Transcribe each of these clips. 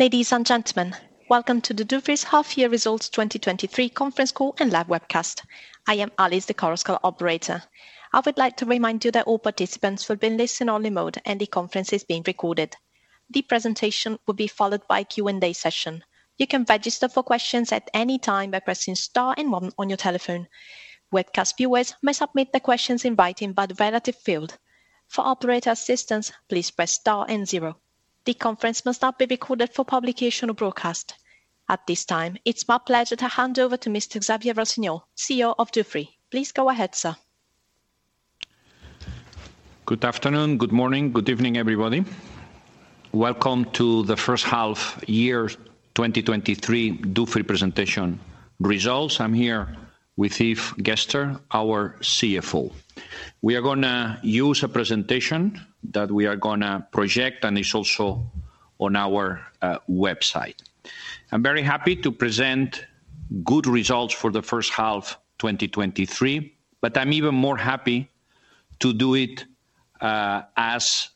Ladies and gentlemen, welcome to the Dufry's Half Year Results 2023 conference call and live webcast. I am Alice, the conference call operator. I would like to remind you that all participants will be in listen-only mode, and the conference is being recorded. The presentation will be followed by a Q&A session. You can register for questions at any time by pressing star and one on your telephone. Webcast viewers may submit their questions in writing by the relative field. For operator assistance, please press Star and zero. The conference must not be recorded for publication or broadcast. At this time, it's my pleasure to hand over to Mr. Xavier Rossinyol, CEO of Dufry. Please go ahead, sir. Good afternoon, good morning, good evening, everybody. Welcome to the first half year 2023 Avolta presentation results. I'm here with Yves Gerster, our CFO. We are gonna use a presentation that we are gonna project, and it's also on our website. I'm very happy to present good results for the first half 2023, I'm even more happy to do it as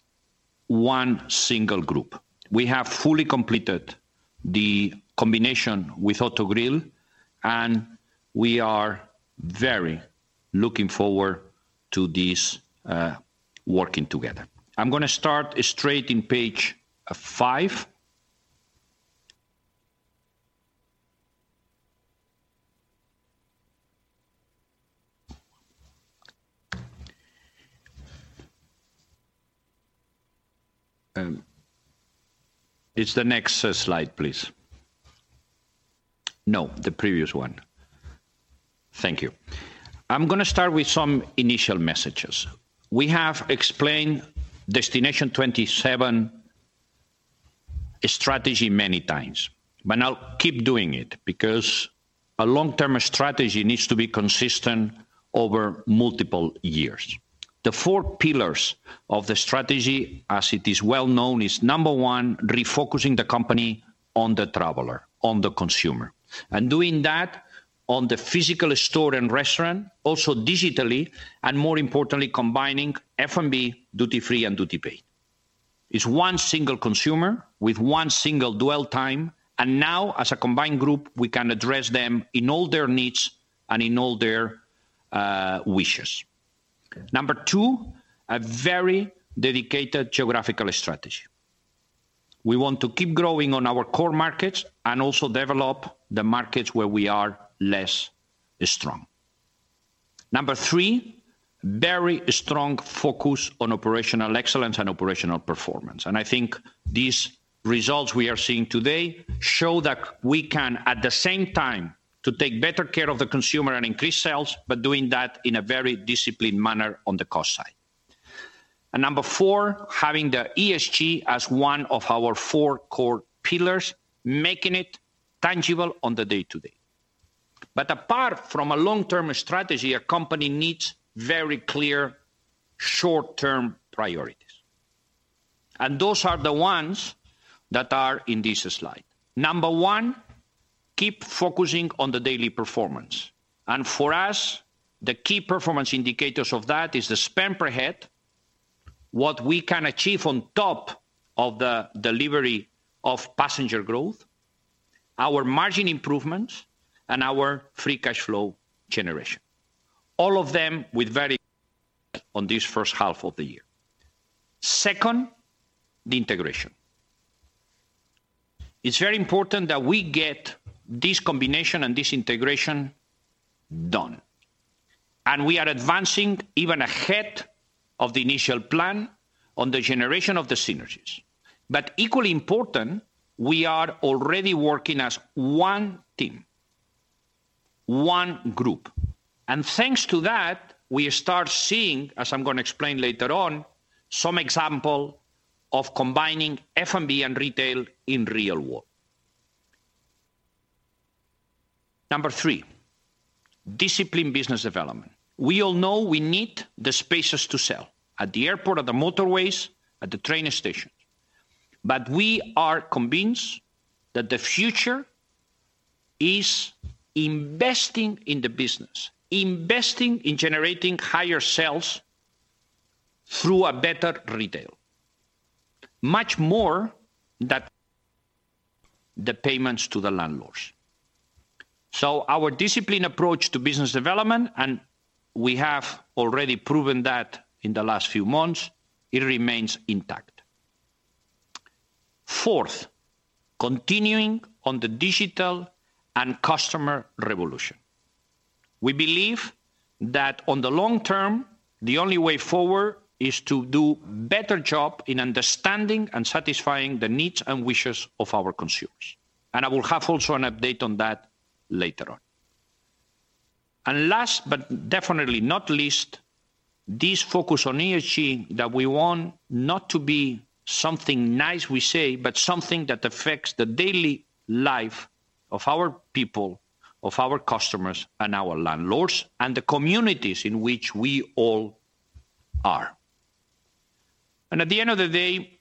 one single group. We have fully completed the combination with Autogrill, we are very looking forward to this working together. I'm gonna start straight in page five. It's the next slide, please. No, the previous one. Thank you. I'm gonna start with some initial messages. We have explained Destination 2027 strategy many times, I'll keep doing it because a long-term strategy needs to be consistent over multiple years. The four pillars of the strategy, as it is well known, is number one, refocusing the company on the traveler, on the consumer, and doing that on the physical store and restaurant, also digitally, and more importantly, combining F&B, duty-free and duty-paid. It's one single consumer with one single dwell time, and now as a combined group, we can address them in all their needs and in all their wishes. Number two, a very dedicated geographical strategy. We want to keep growing on our core markets and also develop the markets where we are less strong. Number three, very strong focus on operational excellence and operational performance. I think these results we are seeing today show that we can, at the same time, to take better care of the consumer and increase sales, but doing that in a very disciplined manner on the cost side. Number four, having the ESG as one of our four core pillars, making it tangible on the day-to-day. Apart from a long-term strategy, a company needs very clear short-term priorities, and those are the ones that are in this slide. Number one, keep focusing on the daily performance. For us, the key performance indicators of that is the spend per head, what we can achieve on top of the delivery of passenger growth, our margin improvements, and our free cash flow generation, all of them with very on this first half of the year. Second, the integration. It's very important that we get this combination and this integration done, and we are advancing even ahead of the initial plan on the generation of the synergies. Equally important, we are already working as one team, one group, and thanks to that, we start seeing, as I'm gonna explain later on, some example of combining F&B and retail in real world. Number three, discipline business development. We all know we need the spaces to sell at the airport, at the motorways, at the train stations, we are convinced that the future is investing in the business, investing in generating higher sales through a better retail, much more than the payments to the landlords. Our discipline approach to business development, and we have already proven that in the last few months, it remains intact. Fourth, continuing on the digital and customer revolution. We believe that on the long term, the only way forward is to do better job in understanding and satisfying the needs and wishes of our consumers. I will have also an update on that later on. Last, but definitely not least, this focus on ESG, that we want not to be something nice we say, but something that affects the daily life of our people, of our customers, and our landlords, and the communities in which we all are. At the end of the day,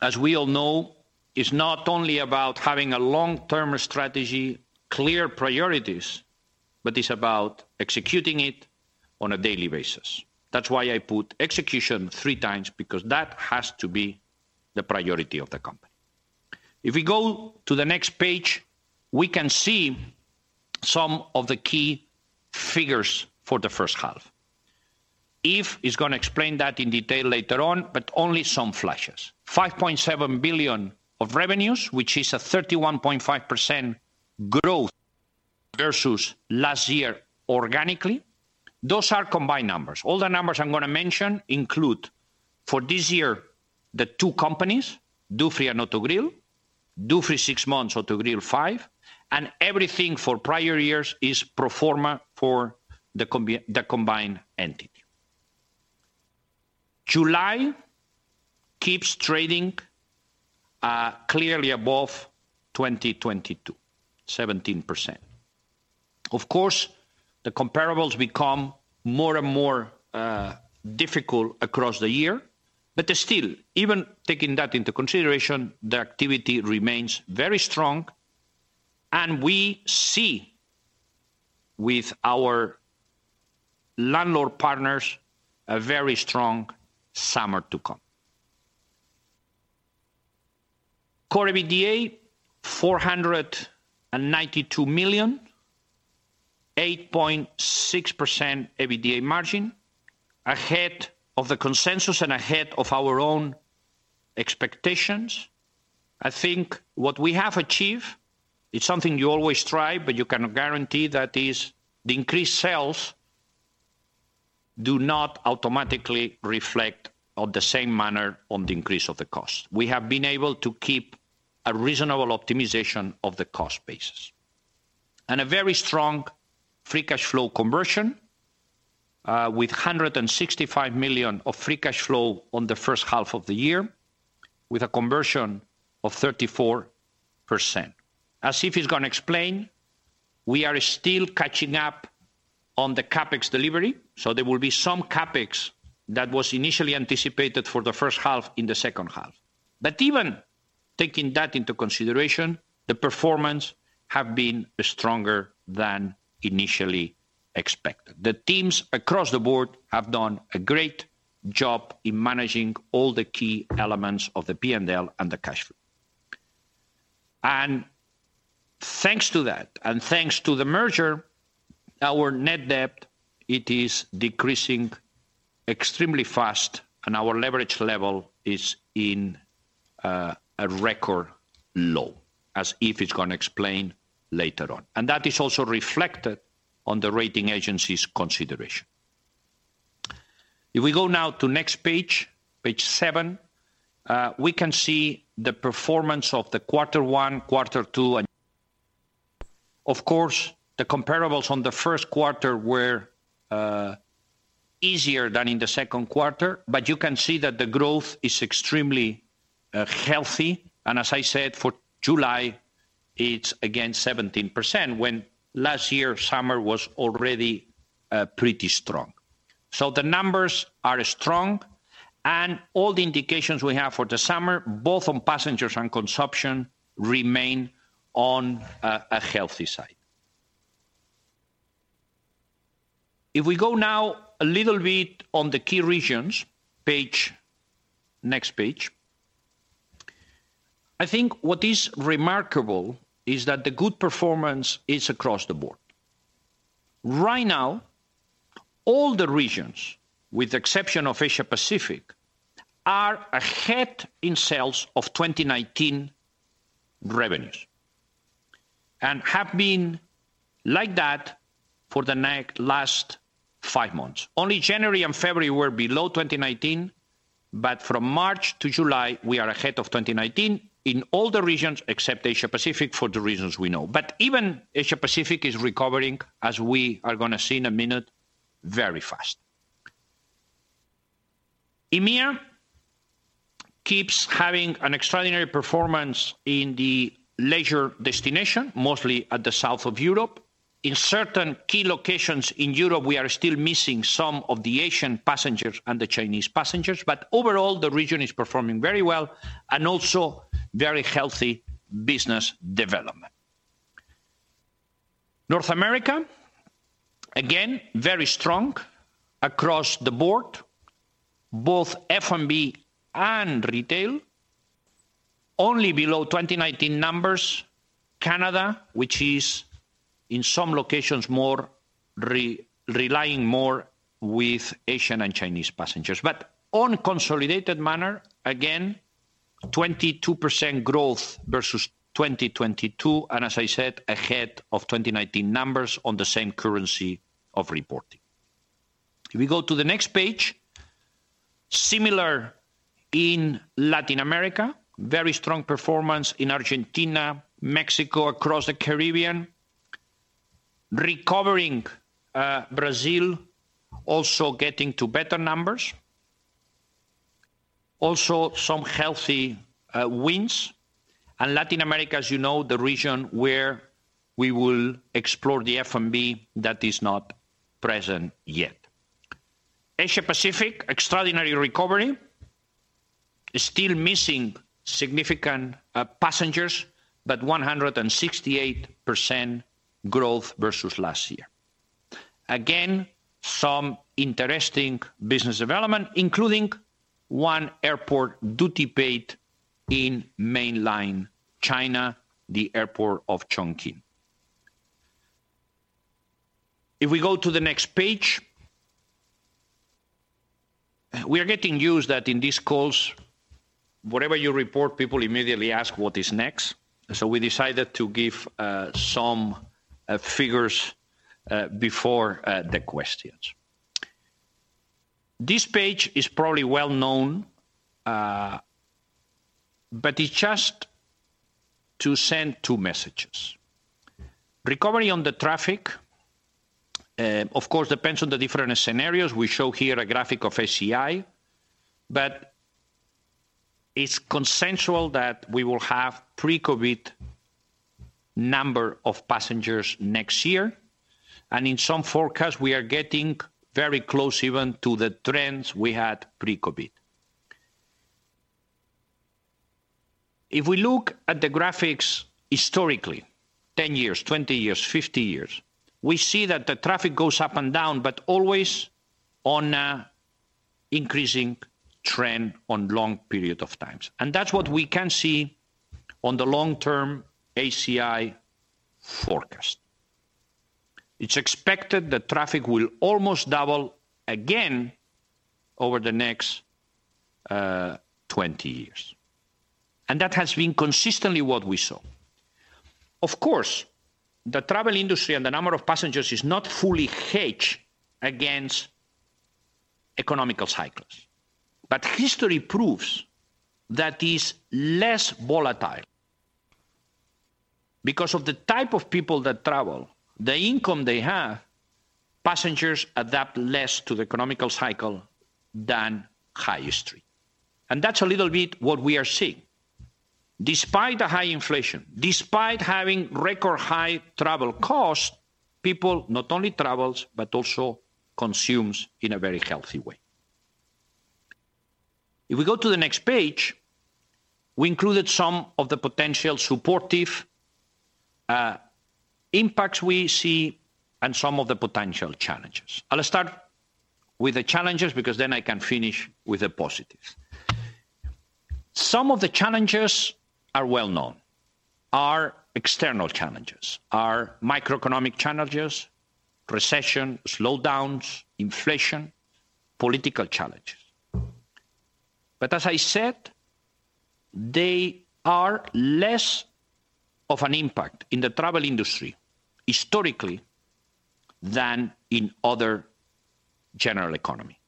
as we all know, it's not only about having a long-term strategy, clear priorities, but it's about executing it on a daily basis. That's why I put execution three times, because that has to be the priority of the company. If we go to the next page, we can see some of the key figures for the first half. Yves is gonna explain that in detail later on, but only some flashes. 5.7 billion of revenues, which is a 31.5% growth versus last year organically. Those are combined numbers. All the numbers I'm gonna mention include, for this year, the two companies, Dufry and Autogrill, Dufry, six months, Autogrill, five, and everything for prior years is pro forma for the combined entity. July keeps trading clearly above 2022, 17%. Of course, the comparables become more and more difficult across the year, but still, even taking that into consideration, the activity remains very strong, and we see with our landlord partners, a very strong summer to come. Core EBITDA, CHF 492 million, 8.6% EBITDA margin, ahead of the consensus and ahead of our own expectations. I think what we have achieved, it's something you always try, but you cannot guarantee, that is, the increased sales do not automatically reflect on the same manner on the increase of the cost. We have been able to keep a reasonable optimization of the cost basis. A very strong free cash flow conversion, with 165 million of free cash flow on the first half of the year, with a conversion of 34%. As Yves is gonna explain, we are still catching up on the CapEx delivery, so there will be some CapEx that was initially anticipated for the first half, in the second half. Even taking that into consideration, the performance have been stronger than initially expected. The teams across the board have done a great job in managing all the key elements of the P&L and the cash flow. Thanks to that, and thanks to the merger, our net debt, it is decreasing extremely fast, and our leverage level is in a record low, as Yves is gonna explain later on. That is also reflected on the rating agency's consideration. If we go now to next page, page seven, we can see the performance of the quarter one, quarter two. Of course, the comparables on the first quarter were easier than in the second quarter, but you can see that the growth is extremely healthy, and as I said, for July, it's again 17%, when last year, summer was already pretty strong. The numbers are strong, and all the indications we have for the summer, both on passengers and consumption, remain on a healthy side. We go now a little bit on the key regions, next page, I think what is remarkable is that the good performance is across the board. Right now, all the regions, with the exception of Asia-Pacific, are ahead in sales of 2019 revenues, have been like that for the last five months. Only January and February were below 2019, from March to July, we are ahead of 2019 in all the regions except Asia-Pacific, for the reasons we know. Even Asia-Pacific is recovering, as we are gonna see in a minute, very fast. EMEA keeps having an extraordinary performance in the leisure destination, mostly at the south of Europe. In certain key locations in Europe, we are still missing some of the Asian passengers and the Chinese passengers. Overall, the region is performing very well, and also very healthy business development. North America, again, very strong across the board, both F&B and retail. Only below 2019 numbers, Canada, which is in some locations, more relying more with Asian and Chinese passengers. On a consolidated manner, again, 22% growth versus 2022, and as I said, ahead of 2019 numbers on the same currency of reporting. If we go to the next page, similar in Latin America, very strong performance in Argentina, Mexico, across the Caribbean. Recovering, Brazil, also getting to better numbers. Also, some healthy wins. Latin America, as you know, the region where we will explore the F&B that is not present yet. Asia-Pacific, extraordinary recovery.... still missing significant passengers, but 168% growth versus last year. Again, some interesting business development, including one airport duty-paid in mainland China, the airport of Chongqing. If we go to the next page, we are getting used that in these calls, whatever you report, people immediately ask what is next, so we decided to give some figures before the questions. This page is probably well-known, but it's just to send two messages. Recovery on the traffic, of course, depends on the different scenarios. We show here a graphic of ACI, but it's consensual that we will have pre-COVID number of passengers next year, and in some forecasts, we are getting very close even to the trends we had pre-COVID. If we look at the graphics historically, 10 years, 20 years, 50 years, we see that the traffic goes up and down, but always on a increasing trend on long period of times. That's what we can see on the long-term ACI forecast. It's expected that traffic will almost double again over the next 20 years, and that has been consistently what we saw. Of course, the travel industry and the number of passengers is not fully hedged against economical cycles, but history proves that is less volatile. Because of the type of people that travel, the income they have, passengers adapt less to the economical cycle than high street. That's a little bit what we are seeing. Despite the high inflation, despite having record high travel costs, people not only travels, but also consumes in a very healthy way. If we go to the next page, we included some of the potential supportive impacts we see and some of the potential challenges. I'll start with the challenges because then I can finish with the positives. Some of the challenges are well known, are external challenges, are microeconomic challenges, recession, slowdowns, inflation, political challenges. As I said, they are less of an impact in the travel industry historically than in other general economy.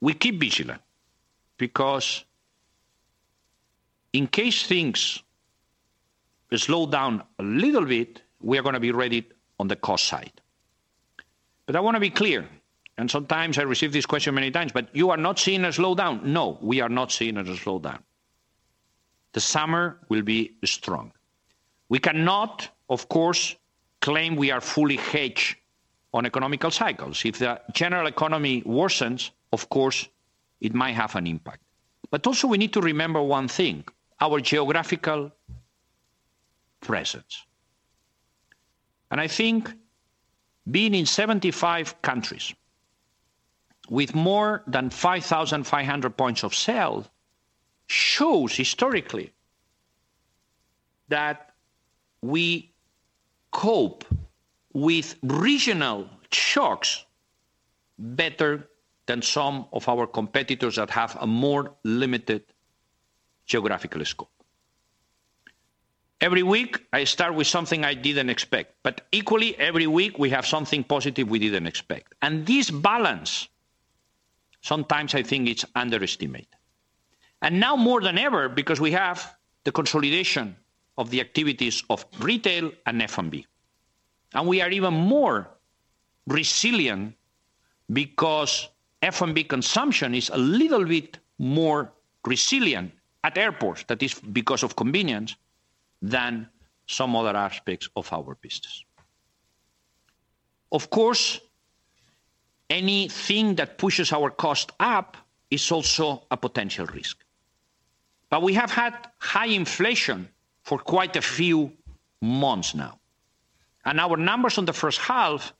We keep vigilant because in case things slow down a little bit, we are going to be ready on the cost side. I want to be clear, and sometimes I receive this question many times, "But you are not seeing a slowdown?" No, we are not seeing it a slowdown. The summer will be strong. We cannot, of course, claim we are fully hedged on economic cycles. If the general economy worsens, of course, it might have an impact. Also we need to remember one thing: our geographical presence. I think being in 75 countries with more than 5,500 points of sale, shows historically that we cope with regional shocks better than some of our competitors that have a more limited geographical scope. Every week, I start with something I didn't expect, but equally, every week, we have something positive we didn't expect. This balance, sometimes I think it's underestimate. Now more than ever, because we have the consolidation of the activities of retail and F&B. We are even more resilient because F&B consumption is a little bit more resilient at airports. That is because of convenience than some other aspects of our business. Of course, anything that pushes our cost up is also a potential risk. We have had high inflation for quite a few months now, and our numbers on the first half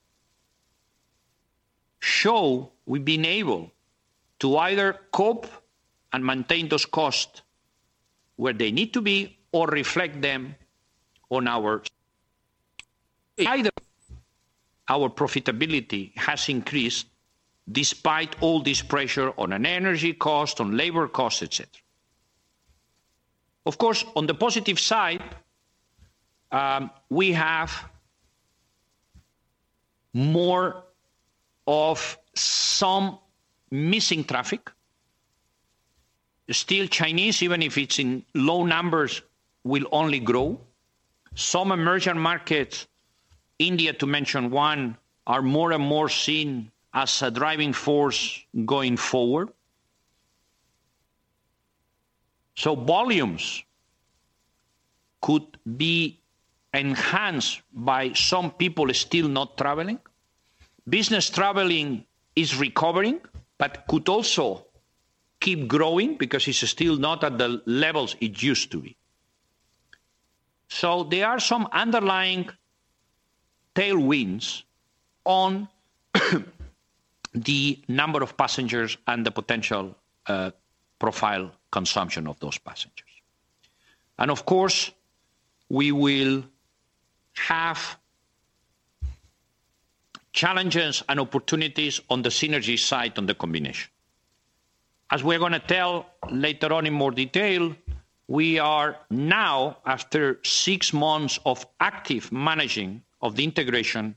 show we've been able to either cope and maintain those costs where they need to be or reflect them on. Either our profitability has increased despite all this pressure on an energy cost, on labor costs, et cetera. Of course, on the positive side, we have more of some missing traffic. Still, Chinese, even if it's in low numbers, will only grow. Some emerging markets, India, to mention one, are more and more seen as a driving force going forward. Volumes could be enhanced by some people still not traveling. Business traveling is recovering, but could also keep growing because it's still not at the levels it used to be. There are some underlying tailwinds on the number of passengers and the potential profile consumption of those passengers. Of course, we will have challenges and opportunities on the synergy side on the combination. As we're gonna tell later on in more detail, we are now, after six months of active managing of the integration,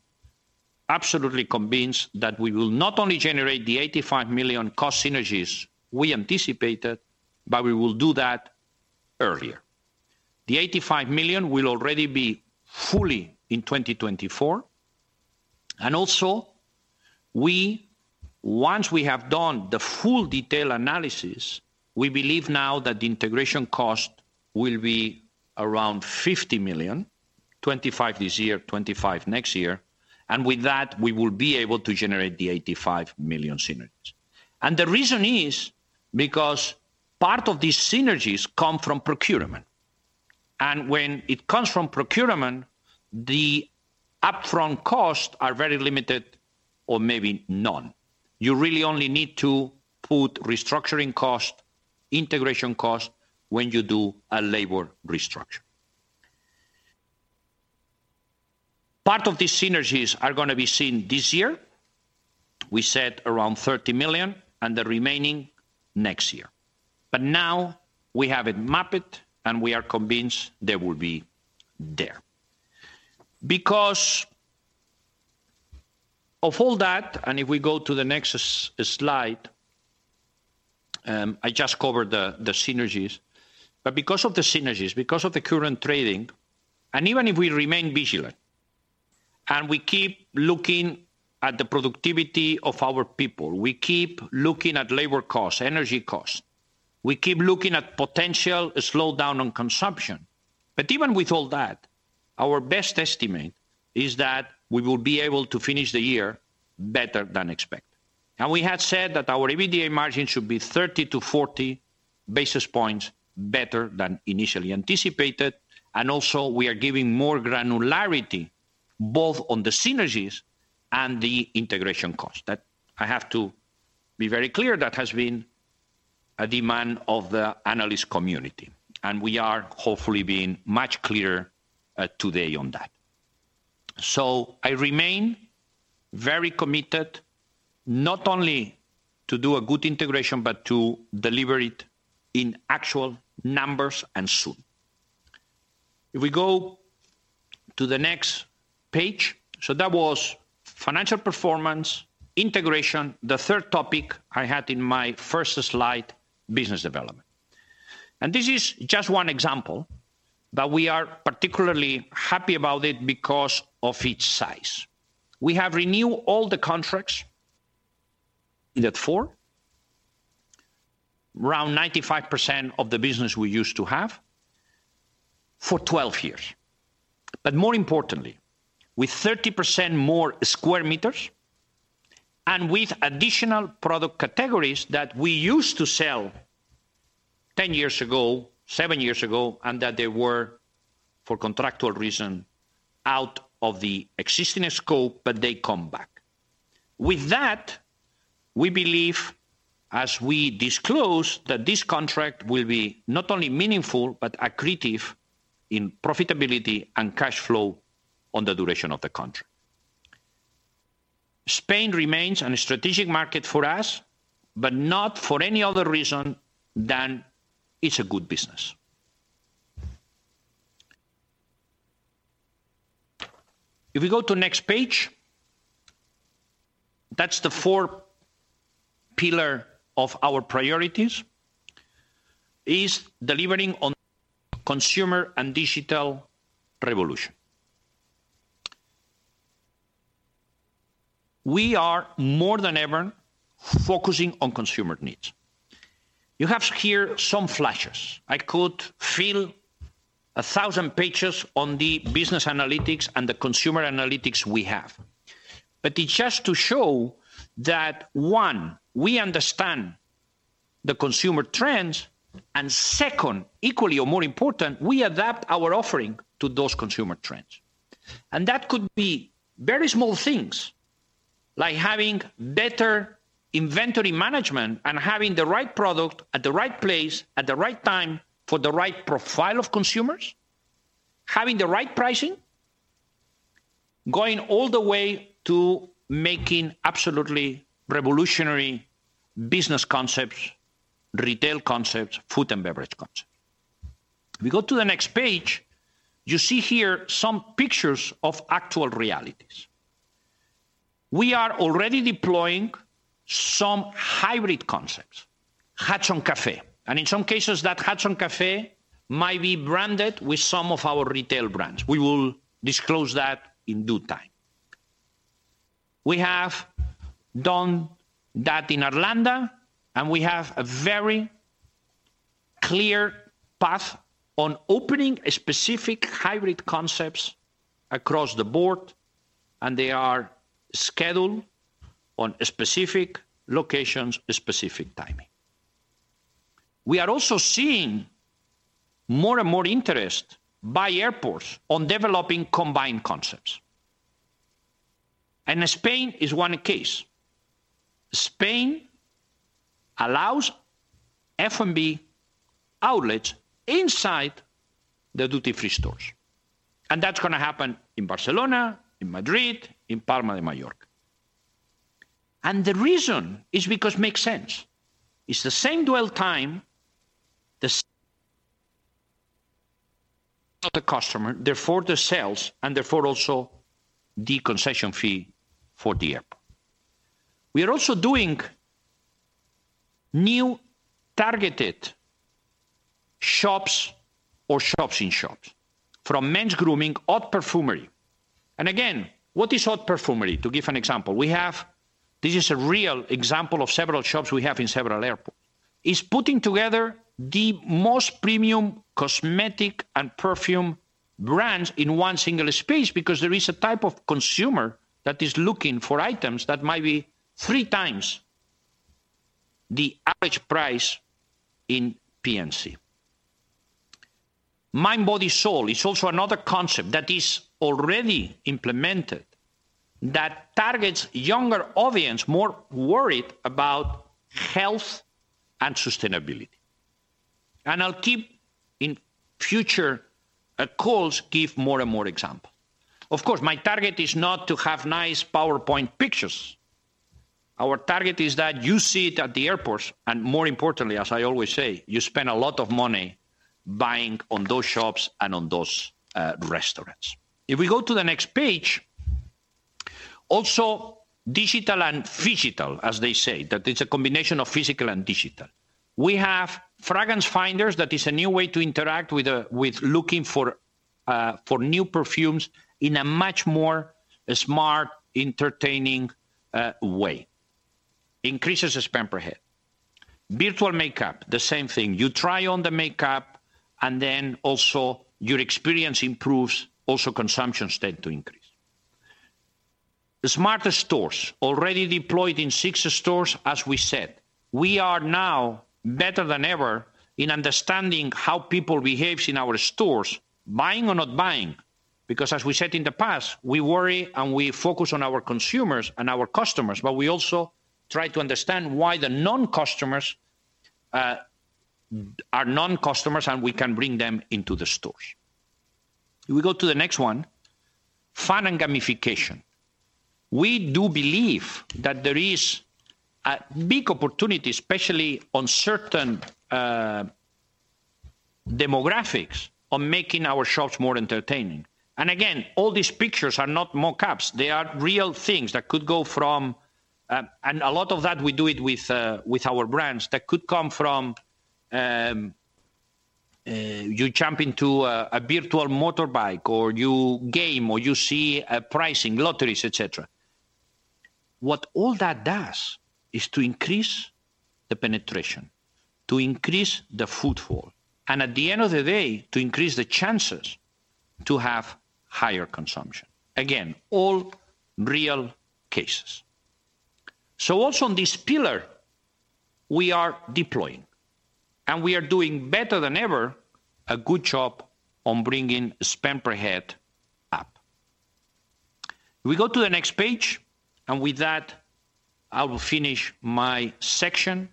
absolutely convinced that we will not only generate the 85 million cost synergies we anticipated, but we will do that earlier. The 85 million will already be fully in 2024, and also once we have done the full detail analysis, we believe now that the integration cost will be around 50 million, 25 million this year, 25 million next year, and with that, we will be able to generate the 85 million synergies. The reason is, because part of these synergies come from procurement. When it comes from procurement, the upfront costs are very limited or maybe none. You really only need to put restructuring cost, integration cost, when you do a labor restructure. Part of these synergies are gonna be seen this year. We said around 30 million, and the remaining next year. Now we have it mapped, and we are convinced they will be there. Because of all that, and if we go to the next slide, I just covered the synergies. Because of the synergies, because of the current trading, and even if we remain vigilant and we keep looking at the productivity of our people, we keep looking at labor costs, energy costs, we keep looking at potential slowdown on consumption. Even with all that, our best estimate is that we will be able to finish the year better than expected. We had said that our EBITDA margin should be 30-40 basis points better than initially anticipated, and also we are giving more granularity, both on the synergies and the integration costs. That I have to be very clear, that has been a demand of the analyst community, and we are hopefully being much clearer today on that. I remain very committed, not only to do a good integration, but to deliver it in actual numbers, and soon. If we go to the next page. That was financial performance, integration, the third topic I had in my first slide, business development. This is just one example, but we are particularly happy about it because of its size. We have renewed all the contracts in the four, around 95% of the business we used to have for 12 years. More importantly, with 30% more square meters and with additional product categories that we used to sell 10 years ago, seven years ago, and that they were, for contractual reason, out of the existing scope, but they come back. With that, we believe, as we disclose, that this contract will be not only meaningful, but accretive in profitability and cash flow on the duration of the contract. Spain remains a strategic market for us, but not for any other reason than it's a good business. If we go to next page, that's the four pillar of our priorities, is delivering on consumer and digital revolution. We are more than ever focusing on consumer needs. You have here some flashes. I could fill 1,000 pages on the business analytics and the consumer analytics we have. Just to show that, one, we understand the consumer trends, and second, equally or more important, we adapt our offering to those consumer trends. That could be very small things, like having better inventory management and having the right product at the right place, at the right time, for the right profile of consumers. Having the right pricing, going all the way to making absolutely revolutionary business concepts, retail concepts, food and beverage concepts. We go to the next page, you see here some pictures of actual realities. We are already deploying some hybrid concepts, Hudson Cafe, and in some cases, that Hudson Cafe might be branded with some of our retail brands. We will disclose that in due time. We have done that in Atlanta, and we have a very clear path on opening specific hybrid concepts across the board, and they are scheduled on specific locations, specific timing. We are also seeing more and more interest by airports on developing combined concepts. Spain is one case. Spain allows F&B outlets inside the duty-free stores. That's gonna happen in Barcelona, in Madrid, in Palma de Mallorca. The reason is because makes sense. It's the same dwell time, the of the customer, therefore, the sales, and therefore, also the concession fee for the airport. We are also doing new targeted shops or shops in shops, from men's grooming, haute parfumerie. Again, what is haute parfumerie? To give an example, This is a real example of several shops we have in several airport. Is putting together the most premium cosmetic and perfume brands in 1 single space because there is a type of consumer that is looking for items that might be 3x the average price in P&C. Mind, Body, Soul is also another concept that is already implemented, that targets younger audience, more worried about health and sustainability. I'll keep in future calls, give more and more example. Of course, my target is not to have nice PowerPoint pictures. Our target is that you see it at the airports, and more importantly, as I always say, you spend a lot of money buying on those shops and on those restaurants. If we go to the next page, also digital and phygital, as they say, that it's a combination of physical and digital. We have Fragrance Finder. That is a new way to interact with, with looking for, for new perfumes in a much more smart, entertaining way. Increases the spend per head. Virtual makeup, the same thing. You try on the makeup, and then also your experience improves, also consumption tend to increase. The smarter stores, already deployed in six stores, as we said. We are now better than ever in understanding how people behaves in our stores, buying or not buying, because as we said in the past, we worry and we focus on our consumers and our customers, but we also try to understand why the non-customers are non-customers, and we can bring them into the stores. If we go to the next one, fun and gamification. We do believe that there is a big opportunity, especially on certain demographics, on making our shops more entertaining. Again, all these pictures are not mock-ups. They are real things that could go from. A lot of that we do it with our brands, that could come from, you jump into a virtual motorbike, or you game, or you see a pricing, lotteries, et cetera. What all that does is to increase the penetration, to increase the footfall, and at the end of the day, to increase the chances to have higher consumption. Again, all real cases. Also on this pillar, we are deploying, and we are doing better than ever, a good job on bringing spend per head up. We go to the next page, and with that, I will finish my section,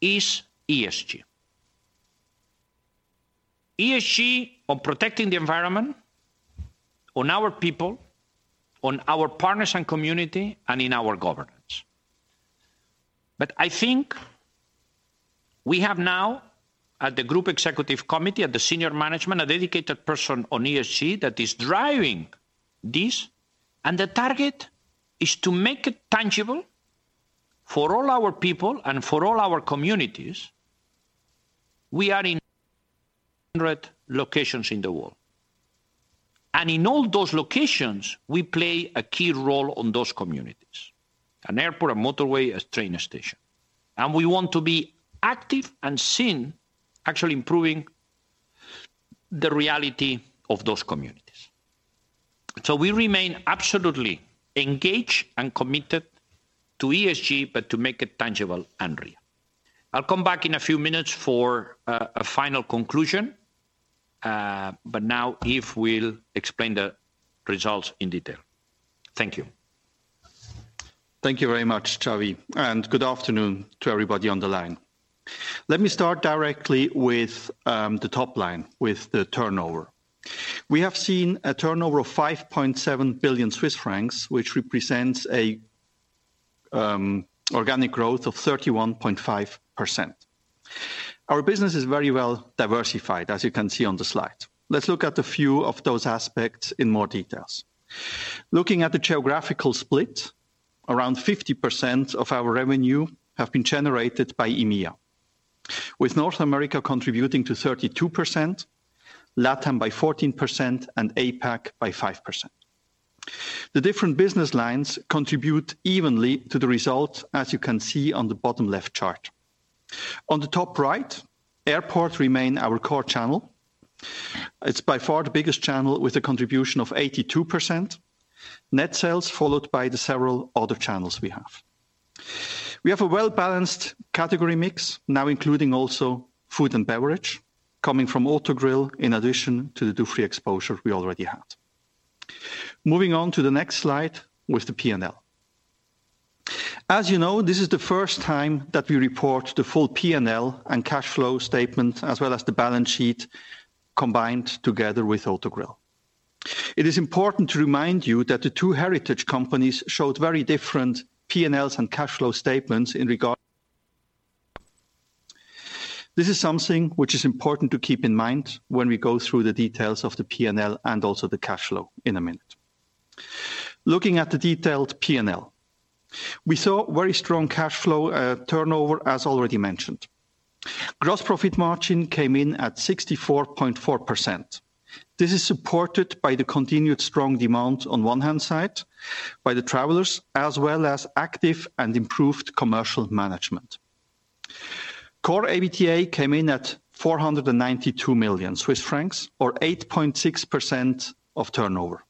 is ESG. ESG on protecting the environment, on our people, on our partners and community, and in our governance. I think we have now, at the group executive committee, at the senior management, a dedicated person on ESG that is driving this, and the target is to make it tangible for all our people and for all our communities. We are in 100 locations in the world, and in all those locations, we play a key role on those communities, an airport, a motorway, a train station, and we want to be active and seen actually improving the reality of those communities. We remain absolutely engaged and committed to ESG, but to make it tangible and real. I'll come back in a few minutes for a final conclusion, but now Yves will explain the results in detail. Thank you. Thank you very much, Xavi, and good afternoon to everybody on the line. Let me start directly with the top line, with the turnover. We have seen a turnover of 5.7 billion Swiss francs, which represents an organic growth of 31.5%. Our business is very well diversified, as you can see on the slide. Let's look at a few of those aspects in more details. Looking at the geographical split, around 50% of our revenue have been generated by EMEA. With North America contributing to 32%, LATAM by 14%, and APAC by 5%. The different business lines contribute evenly to the results, as you can see on the bottom left chart. On the top right, airports remain our core channel. It's by far the biggest channel, with a contribution of 82%. Net sales, followed by the several other channels we have. We have a well-balanced category mix, now including also food and beverage, coming from Autogrill, in addition to the duty-free exposure we already had. Moving on to the next slide with the P&L. As you know, this is the first time that we report the full P&L and cash flow statement, as well as the balance sheet combined together with Autogrill. It is important to remind you that the two heritage companies showed very different P&Ls and cash flow statements in regard. This is something which is important to keep in mind when we go through the details of the P&L and also the cash flow in a minute. Looking at the detailed P&L, we saw very strong cash flow turnover, as already mentioned. Gross profit margin came in at 64.4%. This is supported by the continued strong demand, on one hand side, by the travelers, as well as active and improved commercial management. Core EBITDA came in at 492 million Swiss francs, or 8.6% of turnover.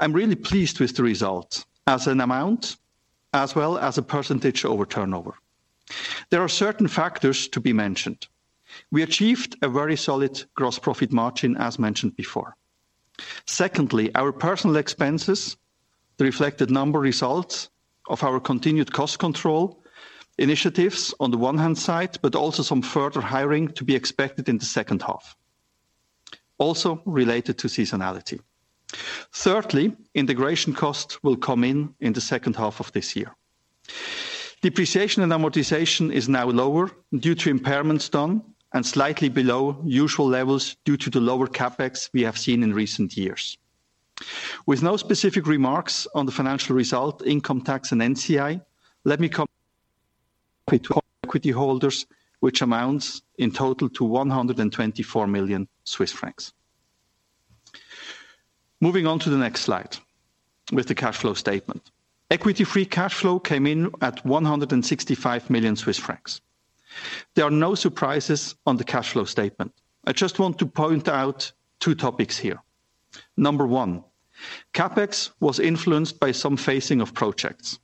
I'm really pleased with the result, as an amount, as well as a percentage over turnover. There are certain factors to be mentioned. We achieved a very solid gross profit margin, as mentioned before. Secondly, our personal expenses reflected number results of our continued cost control initiatives on the one hand side, but also some further hiring to be expected in the second half, also related to seasonality. Thirdly, integration costs will come in, in the second half of this year. Depreciation and amortization is now lower due to impairments done, and slightly below usual levels due to the lower CapEx we have seen in recent years. With no specific remarks on the financial result, income tax, and NCI, equity holders, which amounts in total to 124 million Swiss francs. Moving on to the next slide with the cash flow statement. Equity-free cash flow came in at 165 million Swiss francs. There are no surprises on the cash flow statement. I just want to point out two topics here. Number one, CapEx was influenced by some phasing of projects.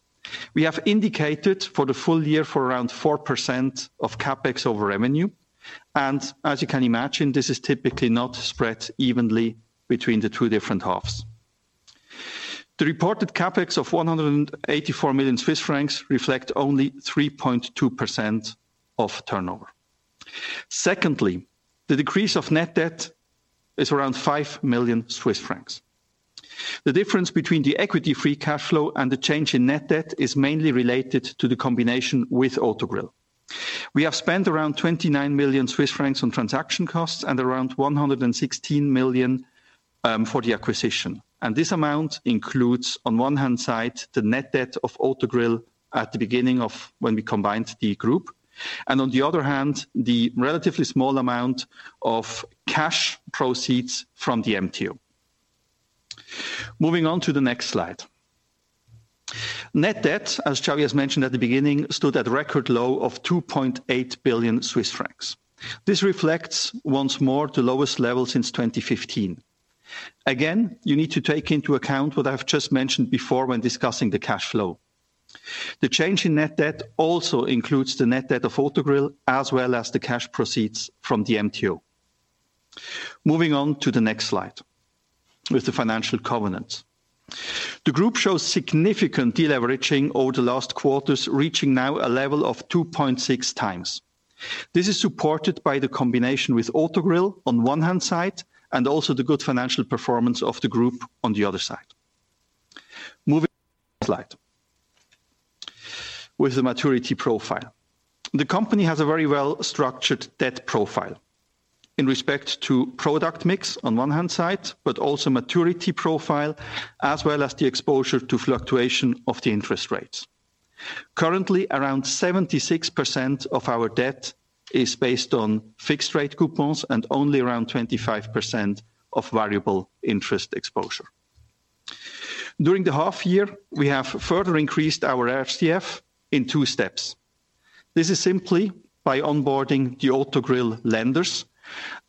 We have indicated for the full year for around 4% of CapEx over revenue, and as you can imagine, this is typically not spread evenly between the two different halves. The reported CapEx of 184 million Swiss francs reflect only 3.2% of turnover. Secondly, the decrease of net debt is around 5 million Swiss francs. The difference between the equity-free cash flow and the change in net debt is mainly related to the combination with Autogrill. We have spent around 29 million Swiss francs on transaction costs and around 116 million for the acquisition, and this amount includes, on one hand side, the net debt of Autogrill at the beginning of when we combined the group, and on the other hand, the relatively small amount of cash proceeds from the MTO. Moving on to the next slide. Net debt, as Xavi has mentioned at the beginning, stood at a record low of 2.8 billion Swiss francs. This reflects once more, the lowest level since 2015. Again, you need to take into account what I've just mentioned before when discussing the cash flow. The change in net debt also includes the net debt of Autogrill, as well as the cash proceeds from the MTO. Moving on to the next slide with the financial covenants. The group shows significant deleveraging over the last quarters, reaching now a level of 2.6 times. This is supported by the combination with Autogrill on one hand side, and also the good financial performance of the group on the other side. Moving slide. With the maturity profile. The company has a very well-structured debt profile in respect to product mix on one hand side, but also maturity profile, as well as the exposure to fluctuation of the interest rates. Currently, around 76% of our debt is based on fixed rate coupons and only around 25% of variable interest exposure. During the half year, we have further increased our RCF in two steps.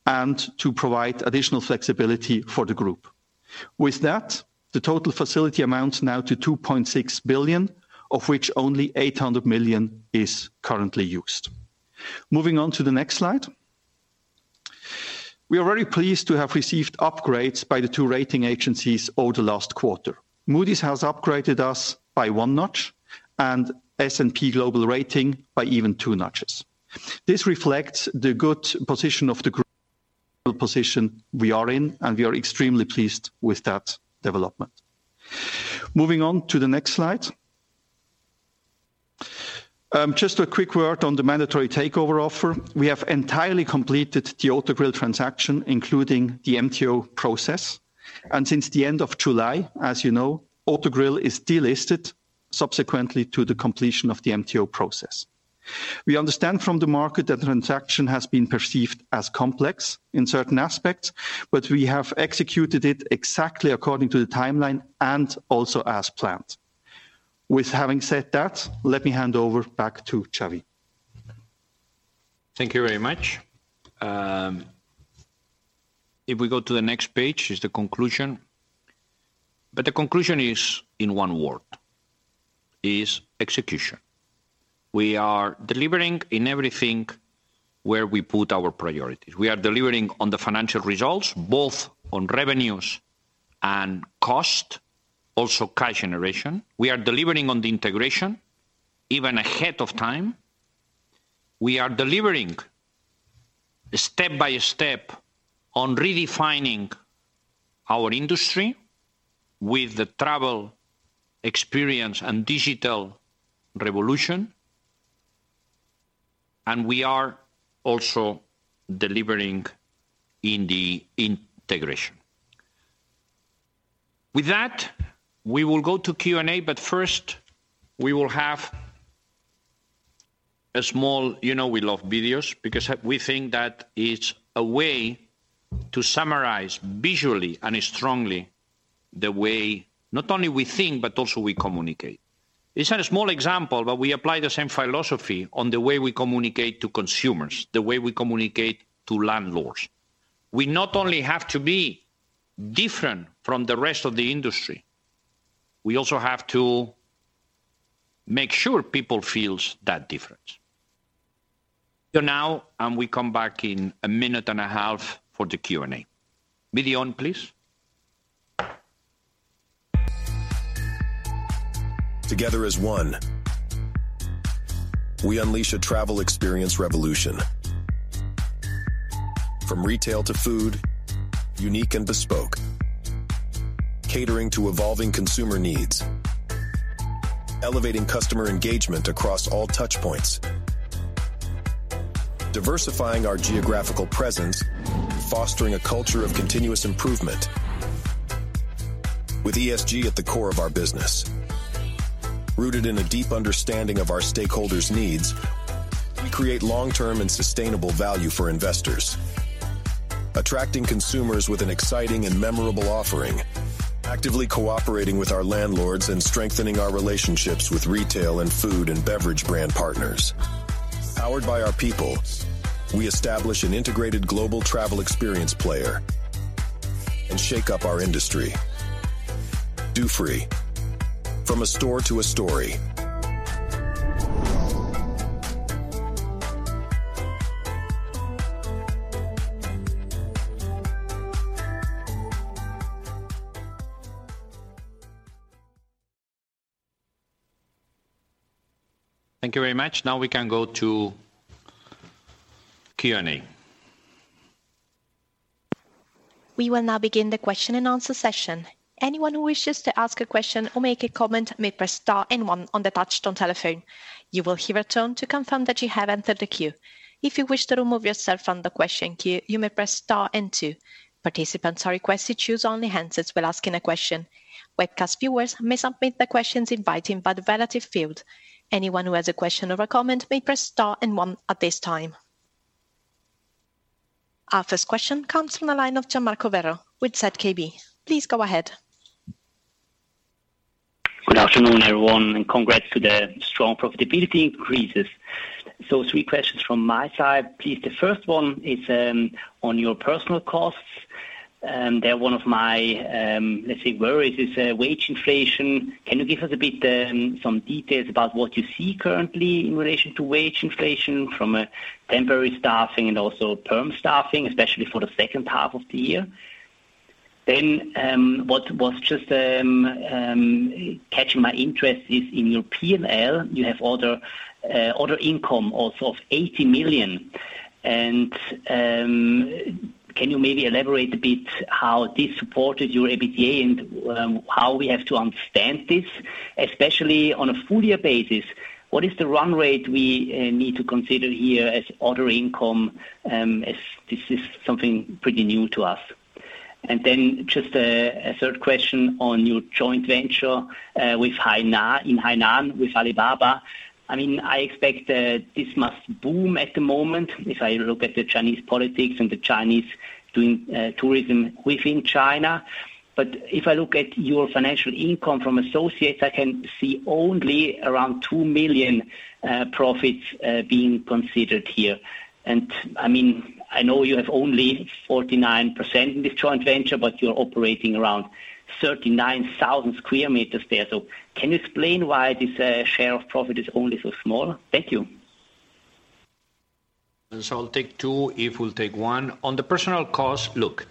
The total facility amounts now to 2.6 billion, of which only 800 million is currently used. Moving on to the next slide. We are very pleased to have received upgrades by the two rating agencies over the last quarter. Moody's has upgraded us by 1 notch, and S&P Global rating by even two notches. This reflects the good position of the group, position we are in, and we are extremely pleased with that development. Moving on to the next slide. Just a quick word on the mandatory takeover offer. We have entirely completed the Autogrill transaction, including the MTO process, and since the end of July, as you know, Autogrill is delisted. Subsequently to the completion of the MTO process. We understand from the market that the transaction has been perceived as complex in certain aspects, but we have executed it exactly according to the timeline and also as planned. With having said that, let me hand over back to Xavi. Thank you very much. If we go to the next page, is the conclusion. The conclusion is in one word, is execution. We are delivering in everything where we put our priorities. We are delivering on the financial results, both on revenues and cost, also cash generation. We are delivering on the integration even ahead of time. We are delivering step by step on redefining our industry with the travel experience and digital revolution, and we are also delivering in the integration. With that, we will go to Q&A, but first, we will have a small. You know we love videos, because we think that it's a way to summarize visually and strongly the way not only we think, but also we communicate. It's not a small example, but we apply the same philosophy on the way we communicate to consumers, the way we communicate to landlords. We not only have to be different from the rest of the industry, we also have to make sure people feels that difference. Now, and we come back in a minute and a half for the Q&A. Video on, please. Together as one, we unleash a travel experience revolution. From retail to food, unique and bespoke, catering to evolving consumer needs, elevating customer engagement across all touch points, diversifying our geographical presence, fostering a culture of continuous improvement, with ESG at the core of our business. Rooted in a deep understanding of our stakeholders' needs, we create long-term and sustainable value for investors, attracting consumers with an exciting and memorable offering, actively cooperating with our landlords, and strengthening our relationships with retail and food and beverage brand partners. Powered by our people, we establish an integrated global travel experience player and shake up our industry. Dufry: From a store to a story. Thank you very much. Now we can go to Q&A. We will now begin the question and answer session. Anyone who wishes to ask a question or make a comment may press star and one on the touchtone telephone. You will hear a tone to confirm that you have entered the queue. If you wish to remove yourself from the question queue, you may press star and two. Participants are requested to choose only handsets while asking a question. Webcast viewers may submit their questions in writing by the relative field. Anyone who has a question or a comment may press star and one at this time. Our first question comes from the line of Gianmarco Werro with KBW. Please go ahead. Good afternoon, everyone, and congrats to the strong profitability increases. Three questions from my side, please. The first one is on your personal costs, and they're one of my, let's say, worries, is wage inflation. Can you give us a bit some details about what you see currently in relation to wage inflation from a temporary staffing and also perm staffing, especially for the second half of the year? What was just catching my interest is in your P&L, you have other other income also of 80 million. Can you maybe elaborate a bit how this supported your EBITDA and how we have to understand this, especially on a full year basis, what is the run rate we need to consider here as other income, as this is something pretty new to us? Just a, a third question on your joint venture with Hainan, in Hainan, with Alibaba. I mean, I expect that this must boom at the moment if I look at the Chinese politics and the Chinese doing tourism within China. If I look at your financial income from associates, I can see only around 2 million profits being considered here. I mean, I know you have only 49% in this joint venture, but you're operating around 39,000 sq m there. Can you explain why this share of profit is only so small? Thank you. I'll take two, if we'll take 1. On the personal cost, look,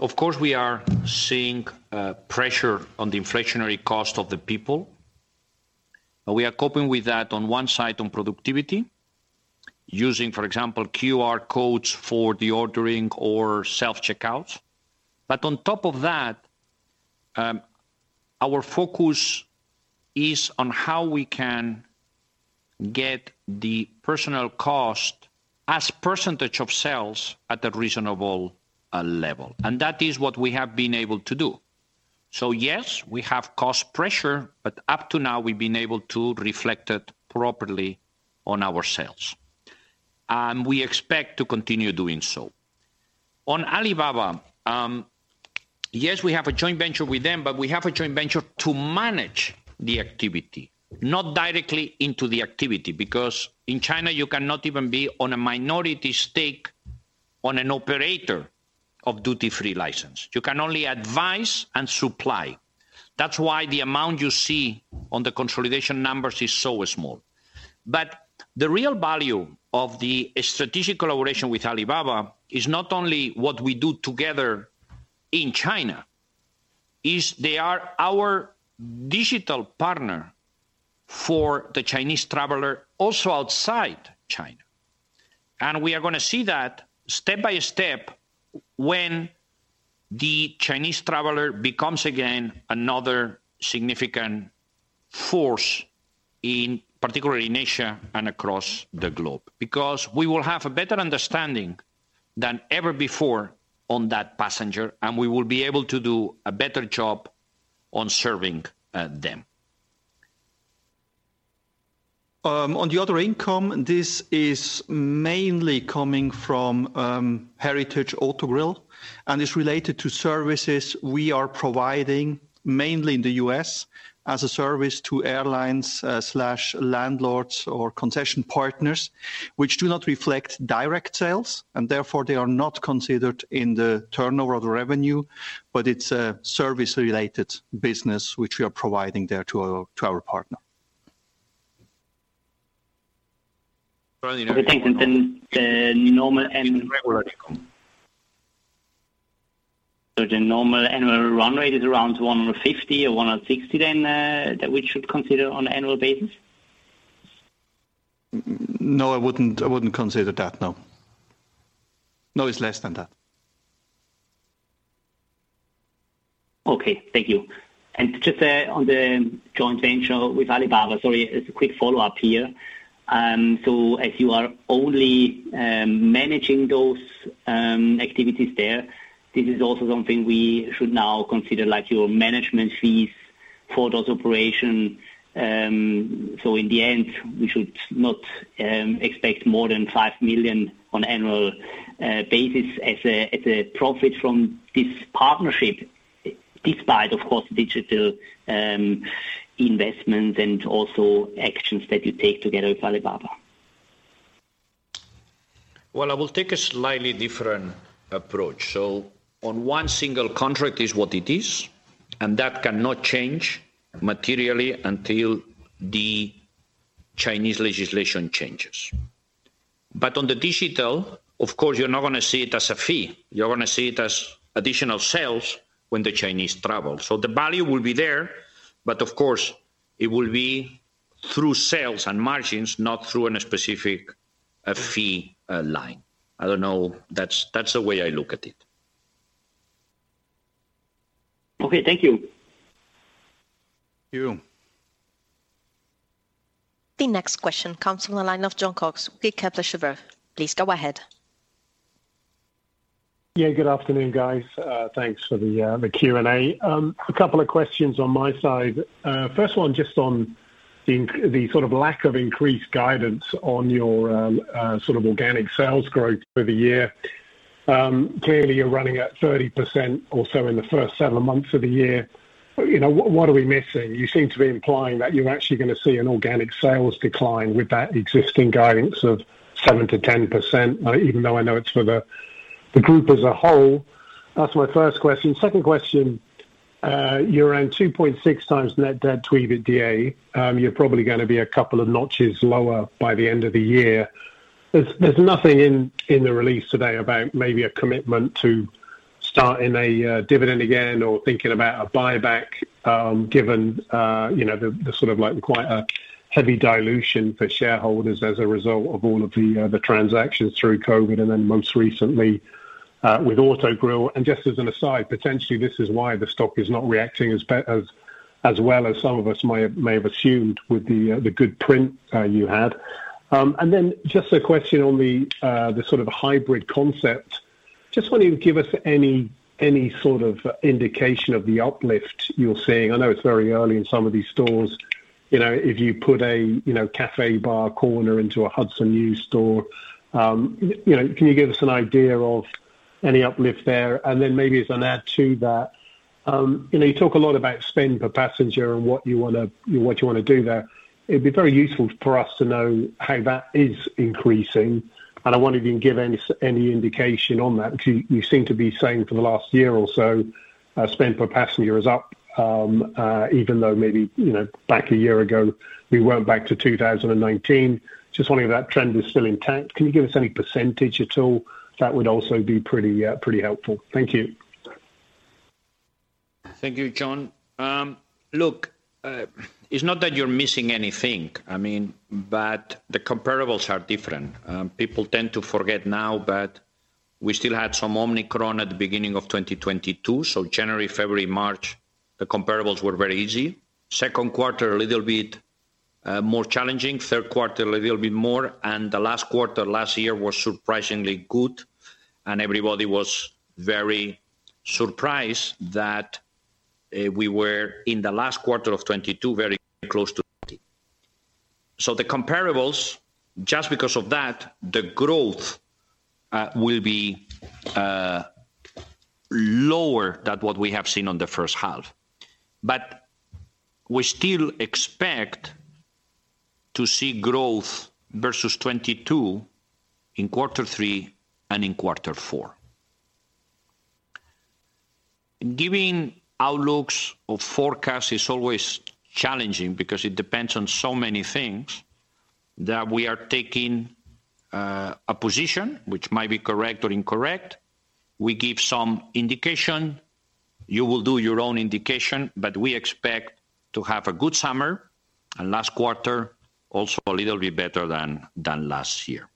of course, we are seeing pressure on the inflationary cost of the people, but we are coping with that on one side, on productivity, using, for example, QR codes for the ordering or self-checkout. On top of that, our focus is on how we can get the personal cost as % of sales at a reasonable level, and that is what we have been able to do. Yes, we have cost pressure, but up to now, we've been able to reflect it properly on our sales, and we expect to continue doing so. On Alibaba, yes, we have a joint venture with them, but we have a joint venture to manage the activity, not directly into the activity, because in China, you cannot even be on a minority stake on an operator of duty-free license. You can only advise and supply. That's why the amount you see on the consolidation numbers is so small. The real value of the strategic collaboration with Alibaba is not only what we do together in China, is they are our digital partner for the Chinese traveler, also outside China. We are gonna see that step by step when the Chinese traveler becomes again, another significant force in, particularly in Asia and across the globe. We will have a better understanding than ever before on that passenger, and we will be able to do a better job on serving them. On the other income, this is mainly coming from Heritage Autogrill, and it's related to services we are providing, mainly in the US, as a service to airlines, slash landlords or concession partners, which do not reflect direct sales, and therefore they are not considered in the turnover of the revenue, but it's a service-related business, which we are providing there to our, to our partner. the normal. Regular income. The normal annual run rate is around 150 or 160 then, that we should consider on an annual basis? No, I wouldn't, I wouldn't consider that, no. No, it's less than that. Okay, thank you. Just on the joint venture with Alibaba, sorry, as a quick follow-up here. As you are only managing those activities there, this is also something we should now consider, like, your management fees for those operation. In the end, we should not expect more than 5 million on annual basis as a profit from this partnership, despite, of course, digital investments and also actions that you take together with Alibaba. I will take a slightly different approach. On one single contract is what it is, and that cannot change materially until the Chinese legislation changes. On the digital, of course, you're not gonna see it as a fee. You're gonna see it as additional sales when the Chinese travel. The value will be there, but of course, it will be through sales and margins, not through an specific fee line. I don't know. That's, that's the way I look at it. Okay, thank you. Thank you. The next question comes from the line of John Cox, Kepler Cheuvreux. Please go ahead. Yeah, good afternoon, guys. thanks for the, the Q&A. A couple of questions on my side. First one, just on the the sort of lack of increased guidance on your, sort of organic sales growth for the year. Clearly, you're running at 30% or so in the first seven months of the year. You know, what, what are we missing? You seem to be implying that you're actually gonna see an organic sales decline with that existing guidance of 7%-10%, even though I know it's for the, the group as a whole. That's my first question. Second question, you're around 2.6x net debt to EBITDA. You're probably gonna be a couple of notches lower by the end of the year. There's, there's nothing in, in the release today about maybe a commitment to starting a dividend again or thinking about a buyback, given, you know, the, the sort of like quite a heavy dilution for shareholders as a result of all of the transactions through COVID, and then most recently, with Autogrill. Just as an aside, potentially, this is why the stock is not reacting as well as some of us might, may have assumed with the good print you had. Just a question on the sort of hybrid concept. Just wondering, give us any, any sort of indication of the uplift you're seeing. I know it's very early in some of these stores. You know, if you put a, you know, cafe bar corner into a Hudson News store, you know, can you give us an idea of any uplift there? And then maybe as an add to that, you know, you talk a lot about spend per passenger and what you wanna, what you wanna do there. It'd be very useful for us to know how that is increasing, and I wonder if you can give any indication on that, because you, you seem to be saying for the last year or so, spend per passenger is up, even though maybe, you know, back a year ago, we went back to 2019. Just wondering if that trend is still intact. Can you give us any percentage at all? That would also be pretty, pretty helpful. Thank you. Thank you, John. Look, it's not that you're missing anything. I mean, the comparables are different. People tend to forget now. We still had some Omicron at the beginning of 2022, so January, February, March, the comparables were very easy. 2nd quarter, a little bit more challenging, 3rd quarter, a little bit more, the last quarter, last year, was surprisingly good, everybody was very surprised that we were in the last quarter of 22, very close to 20. The comparables, just because of that, the growth will be lower than what we have seen on the first half. We still expect to see growth versus 22 in quarter three and in quarter four. Giving outlooks or forecasts is always challenging because it depends on so many things, that we are taking, a position which might be correct or incorrect. We give some indication, you will do your own indication, but we expect to have a good summer, and last quarter, also a little bit better than, than last year.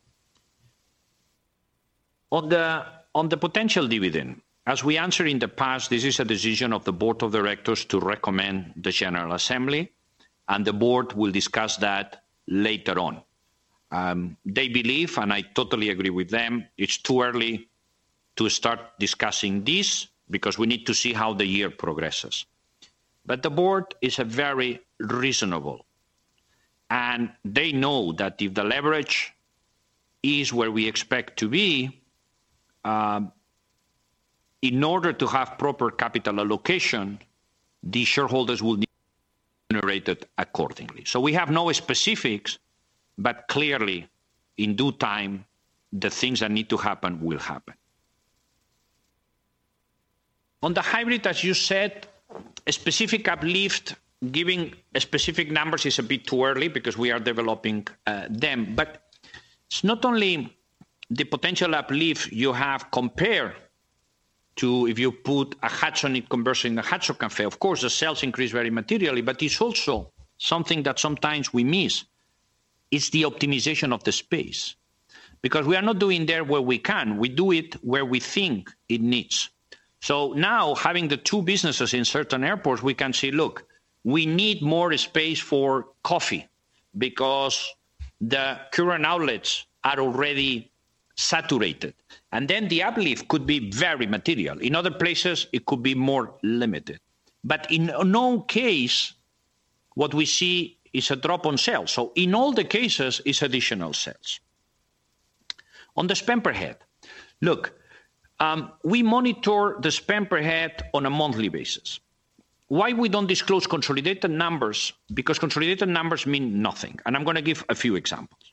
On the, on the potential dividend, as we answered in the past, this is a decision of the board of directors to recommend the general assembly, and the board will discuss that later on. They believe, and I totally agree with them, it's too early to start discussing this because we need to see how the year progresses. The board is very reasonable, and they know that if the leverage is where we expect to be, in order to have proper capital allocation, the shareholders will need generated accordingly. We have no specifics, but clearly, in due time, the things that need to happen will happen. On the hybrid, as you said, a specific uplift, giving specific numbers is a bit too early because we are developing them. It's not only the potential uplift you have compared to if you put a hatch on it, converting a hatch of cafe. Of course, the sales increase very materially. It's also something that sometimes we miss, is the optimization of the space. We are not doing there where we can, we do it where we think it needs. Now, having the two businesses in certain airports, we can say, "Look, we need more space for coffee because the current outlets are already saturated." Then the uplift could be very material. In other places, it could be more limited. In no case, what we see is a drop on sales. In all the cases, it's additional sales. On the spend per head. Look, we monitor the spend per head on a monthly basis. Why we don't disclose consolidated numbers? Because consolidated numbers mean nothing, and I'm gonna give a few examples.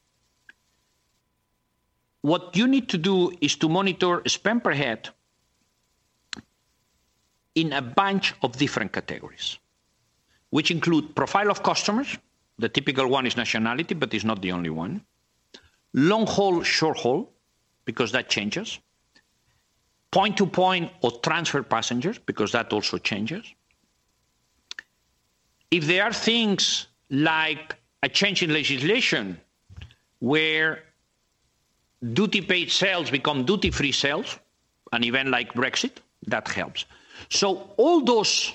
What you need to do is to monitor spend per head in a bunch of different categories, which include profile of customers. The typical one is nationality, but is not the only one. Long haul, short haul, because that changes. Point-to-point or transfer passengers, because that also changes. If there are things like a change in legislation, where duty-paid sales become duty-free sales, an event like Brexit, that helps. All those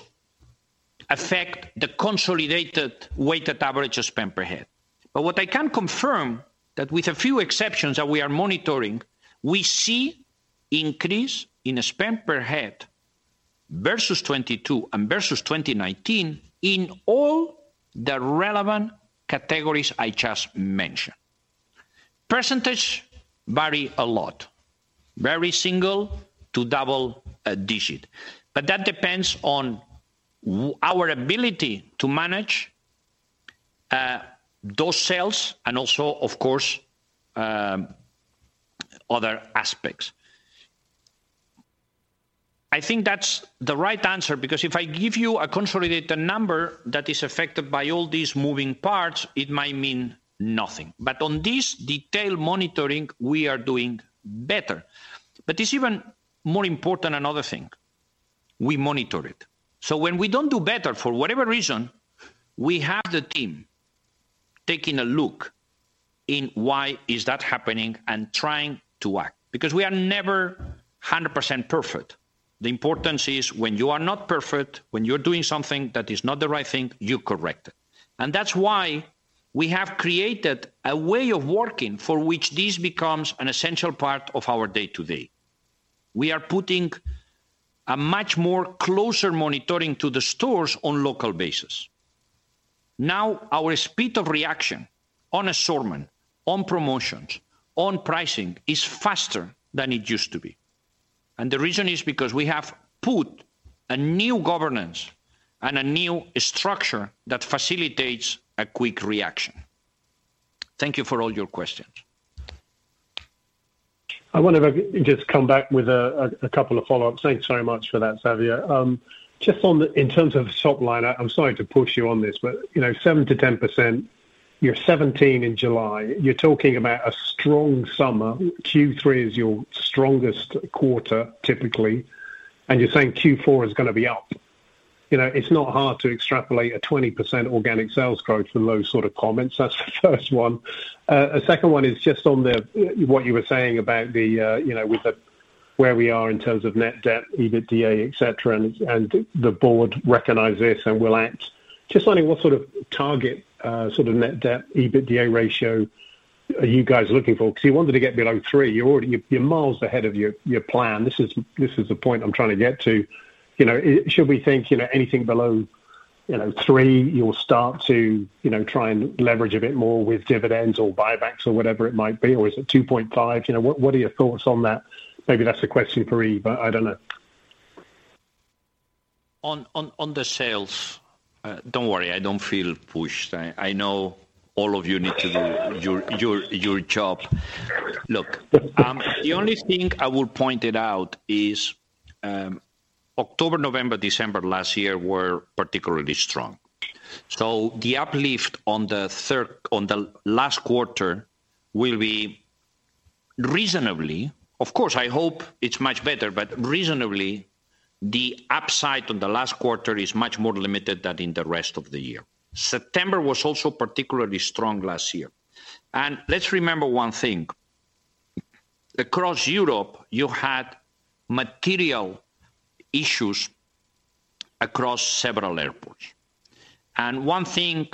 affect the consolidated weighted average of spend per head. What I can confirm, that with a few exceptions that we are monitoring, we see increase in spend per head versus 2022 and versus 2019 in all the relevant categories I just mentioned. Percentage vary a lot, very single to double digit, but that depends on our ability to manage those sales and also, of course, other aspects. I think that's the right answer, because if I give you a consolidated number that is affected by all these moving parts, it might mean nothing. On this detailed monitoring, we are doing better. It's even more important another thing, we monitor it. When we don't do better for whatever reason, we have the team taking a look in why is that happening and trying to act, because we are never 100% perfect. The importance is when you are not perfect, when you're doing something that is not the right thing, you correct it. That's why we have created a way of working for which this becomes an essential part of our day-to-day. We are putting a much more closer monitoring to the stores on local basis. Now, our speed of reaction on assortment, on promotions, on pricing is faster than it used to be. The reason is because we have put a new governance and a new structure that facilitates a quick reaction. Thank you for all your questions. I wonder if I could just come back with a couple of follow-ups. Thanks so much for that, Xavier. Just on the in terms of top line, I'm sorry to push you on this, but, you know, 7%-10%, you're 17% in July. You're talking about a strong summer. Q3 is your strongest quarter, typically, and you're saying Q4 is going to be up? You know, it's not hard to extrapolate a 20% organic sales growth from those sort of comments. That's the first one. A second one is just on the what you were saying about the, you know, with the, where we are in terms of net debt, EBITDA, et cetera, and the board recognize this and will act. Just wondering what sort of target, sort of net debt, EBITDA ratio are you guys looking for? 'Cause you wanted to get below three. You're you're miles ahead of your, your plan. This is, this is the point I'm trying to get to. You know, should we think, you know, anything below, you know, 3, you'll start to, you know, try and leverage a bit more with dividends or buybacks or whatever it might be, or is it 2.5? You know, what, what are your thoughts on that? Maybe that's a question for Yves, but I don't know. On the sales, don't worry, I don't feel pushed. I know all of you need to do your job. Look, the only thing I will point it out is October, November, December last year were particularly strong. The uplift on the last quarter will be reasonably, of course, I hope it's much better, but reasonably, the upside on the last quarter is much more limited than in the rest of the year. September was also particularly strong last year. Let's remember one thing: across Europe, you had material issues across several airports. One thing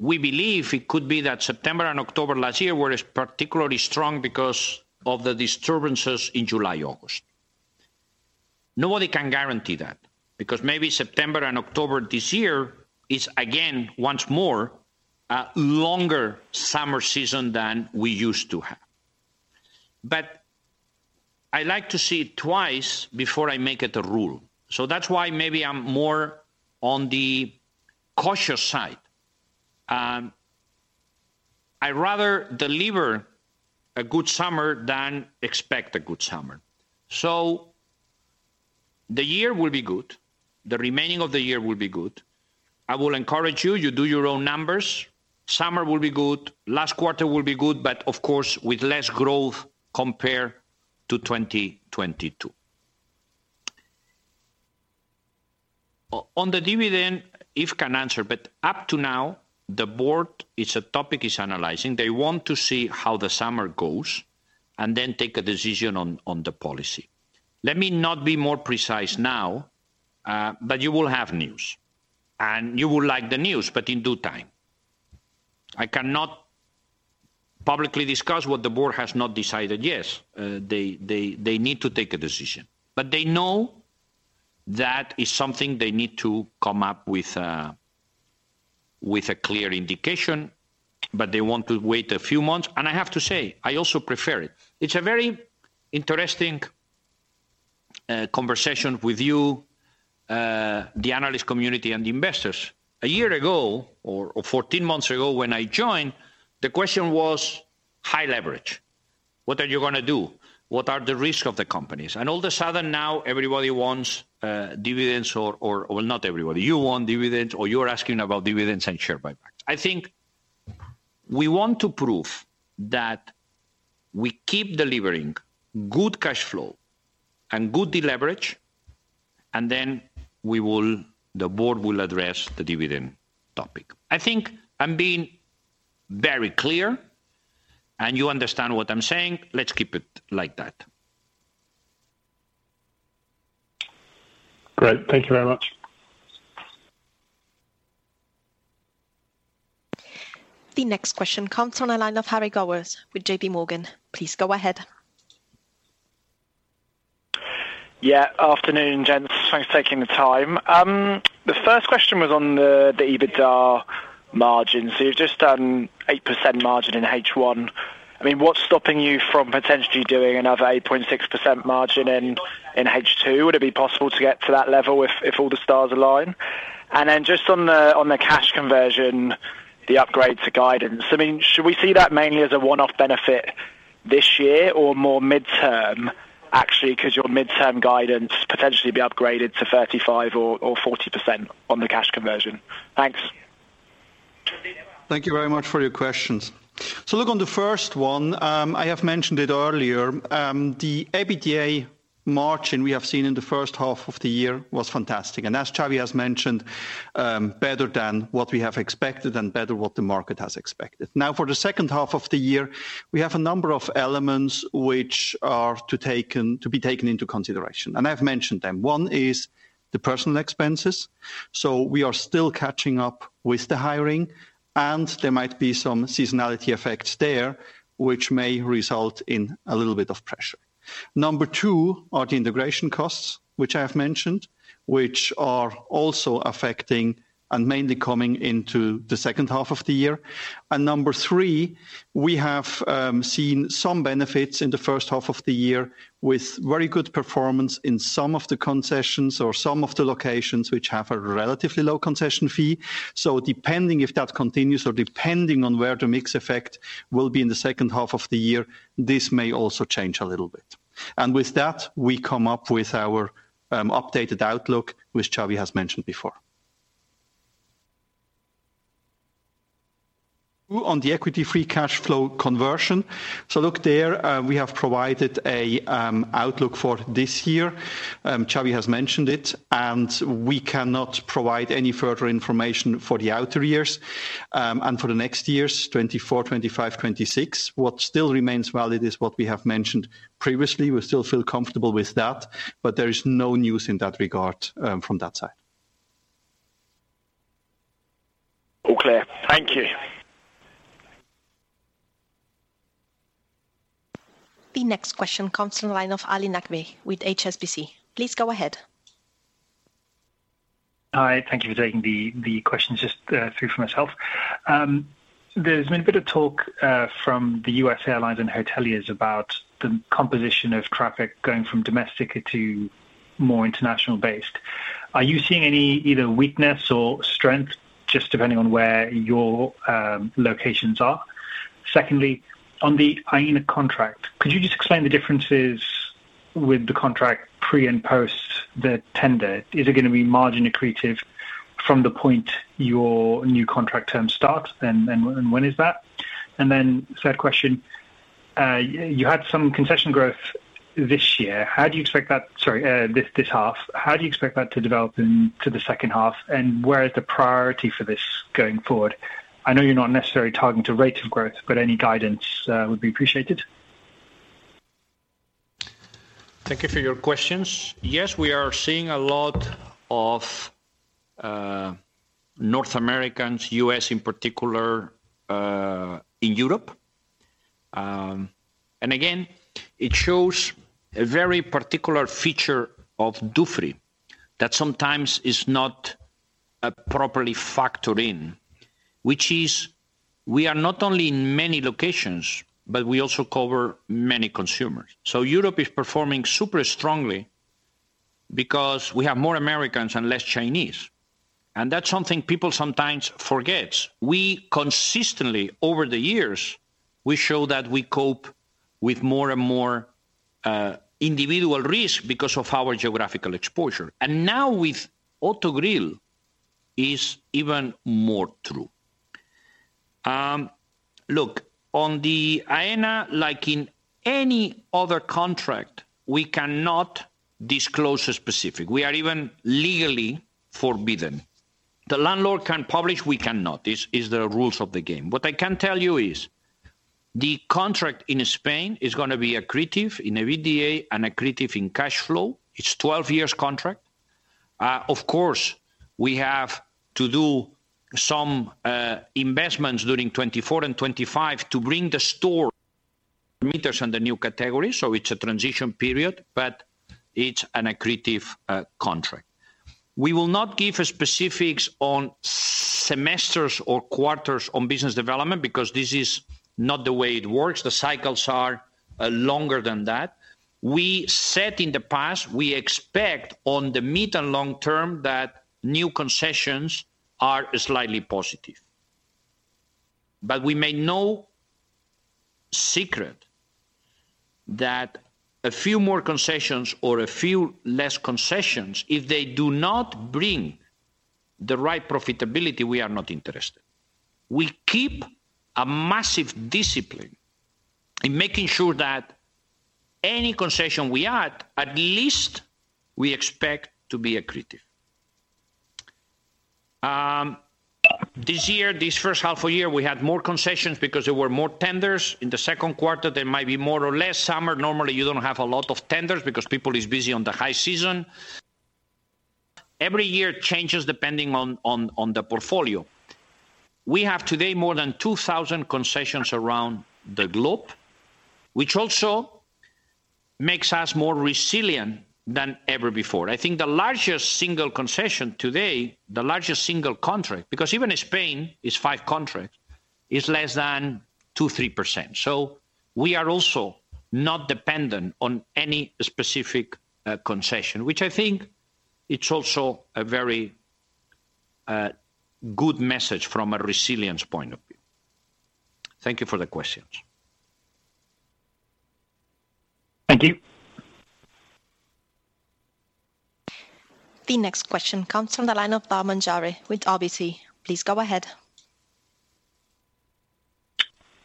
we believe it could be that September and October last year were as particularly strong because of the disturbances in July, August. Nobody can guarantee that, because maybe September and October this year is again, once more, a longer summer season than we used to have. But I like to see twice before I make it a rule. So that's why maybe I'm more on the cautious side. I rather deliver a good summer than expect a good summer. So the year will be good. The remaining of the year will be good. I will encourage you, you do your own numbers. Summer will be good, last quarter will be good, but of course, with less growth compared to 2022. On the dividend, Eve can answer, but up to now, the board, it's a topic is analyzing. They want to see how the summer goes and then take a decision on, on the policy. Let me not be more precise now, but you will have news, and you will like the news, but in due time. I cannot publicly discuss what the board has not decided yet. They, they, they need to take a decision, but they know that is something they need to come up with a, with a clear indication, but they want to wait a few months. I have to say, I also prefer it. It's a very interesting conversation with you, the analyst community and the investors. A year ago, or, or 14 months ago when I joined, the question was high leverage. What are you gonna do? What are the risk of the companies? All of a sudden, now everybody wants dividends or, or-- well, not everybody. You want dividends, or you're asking about dividends and share buyback. I think we want to prove that we keep delivering good cash flow and good deleverage, and then the board will address the dividend topic. I think I'm being very clear, and you understand what I'm saying. Let's keep it like that. Great. Thank you very much. The next question comes from the line of Harry Gowers with J.P. Morgan. Please go ahead. Yeah, afternoon, gents. Thanks for taking the time. The first question was on the EBITDA margin. You've just done 8% margin in H1. I mean, what's stopping you from potentially doing another 8.6% margin in H2? Would it be possible to get to that level if all the stars align? Just on the cash conversion, the upgrade to guidance, I mean, should we see that mainly as a one-off benefit this year or more midterm, actually, because your midterm guidance potentially be upgraded to 35% or 40% on the cash conversion? Thanks. Thank you very much for your questions. Look, on the first one, I have mentioned it earlier, the EBITDA margin we have seen in the first half of the year was fantastic. As Xavi has mentioned, better than what we have expected and better what the market has expected. For the second half of the year, we have a number of elements which are to taken, to be taken into consideration, and I've mentioned them. One is the personal expenses. We are still catching up with the hiring, and there might be some seasonality effects there, which may result in a little bit of pressure. Number two, are the integration costs, which I have mentioned, which are also affecting and mainly coming into the second half of the year. Number three, we have seen some benefits in the first half of the year with very good performance in some of the concessions or some of the locations which have a relatively low concession fee. Depending if that continues or depending on where the mix effect will be in the second half of the year, this may also change a little bit. With that, we come up with our updated outlook, which Xavi has mentioned before. On the equity-free cash flow conversion. Look there, we have provided a outlook for this year. Xavi has mentioned it, and we cannot provide any further information for the outer years, and for the next years, 2024, 2025, 2026. What still remains valid is what we have mentioned previously. We still feel comfortable with that, but there is no news in that regard, from that side. All clear. Thank you. The next question comes from the line of Ali Naqvi with HSBC. Please go ahead. Hi, thank you for taking the, the questions just through from myself. There's been a bit of talk from the U.S. airlines and hoteliers about the composition of traffic going from domestic to more international based. Are you seeing any, either weakness or strength, just depending on where your locations are? Secondly, on the Aena contract, could you just explain the differences with the contract pre and post the tender? Is it gonna be margin accretive from the point your new contract term starts, and when is that? Third question, you had some concession growth this year. How do you expect that-- sorry, this half. How do you expect that to develop in to the second half, and where is the priority for this going forward? I know you're not necessarily talking to rates of growth, but any guidance, would be appreciated. Thank you for your questions. Yes, we are seeing a lot of North Americans, U.S. in particular, in Europe. Again, it shows a very particular feature of Dufry, that sometimes is not properly factored in, which is we are not only in many locations, but we also cover many consumers. Europe is performing super strongly because we have more Americans and less Chinese, and that's something people sometimes forgets. We consistently, over the years, we show that we cope with more and more individual risk because of our geographical exposure. Now with Autogrill, is even more true. Look, on the Aena, like in any other contract, we cannot disclose specific. We are even legally forbidden. The landlord can publish, we cannot. This is the rules of the game. What I can tell you is, the contract in Spain is gonna be accretive in a EBITDA and accretive in cash flow. It's 12 years contract. Of course, we have to do some investments during 2024 and 2025 to bring the store meters on the new category, so it's a transition period, but it's an accretive contract. We will not give specifics on semesters or quarters on business development, because this is not the way it works. The cycles are longer than that. We said in the past, we expect on the mid and long term, that new concessions are slightly positive. We make no secret that a few more concessions or a few less concessions, if they do not bring the right profitability, we are not interested. We keep a massive discipline in making sure that any concession we add, at least we expect to be accretive. This year, this first half a year, we had more concessions because there were more tenders. In the second quarter, there might be more or less. Summer, normally you don't have a lot of tenders because people is busy on the high season. Every year changes depending on the portfolio. We have today more than 2,000 concessions around the globe, which also makes us more resilient than ever before. I think the largest single concession today, the largest single contract, because even Spain is five contracts, is less than 2%-3%. We are also not dependent on any specific concession, which I think it's also a very good message from a resilience point of view. Thank you for the questions. Thank you. The next question comes from the line of Tharman Jare with RBC. Please go ahead.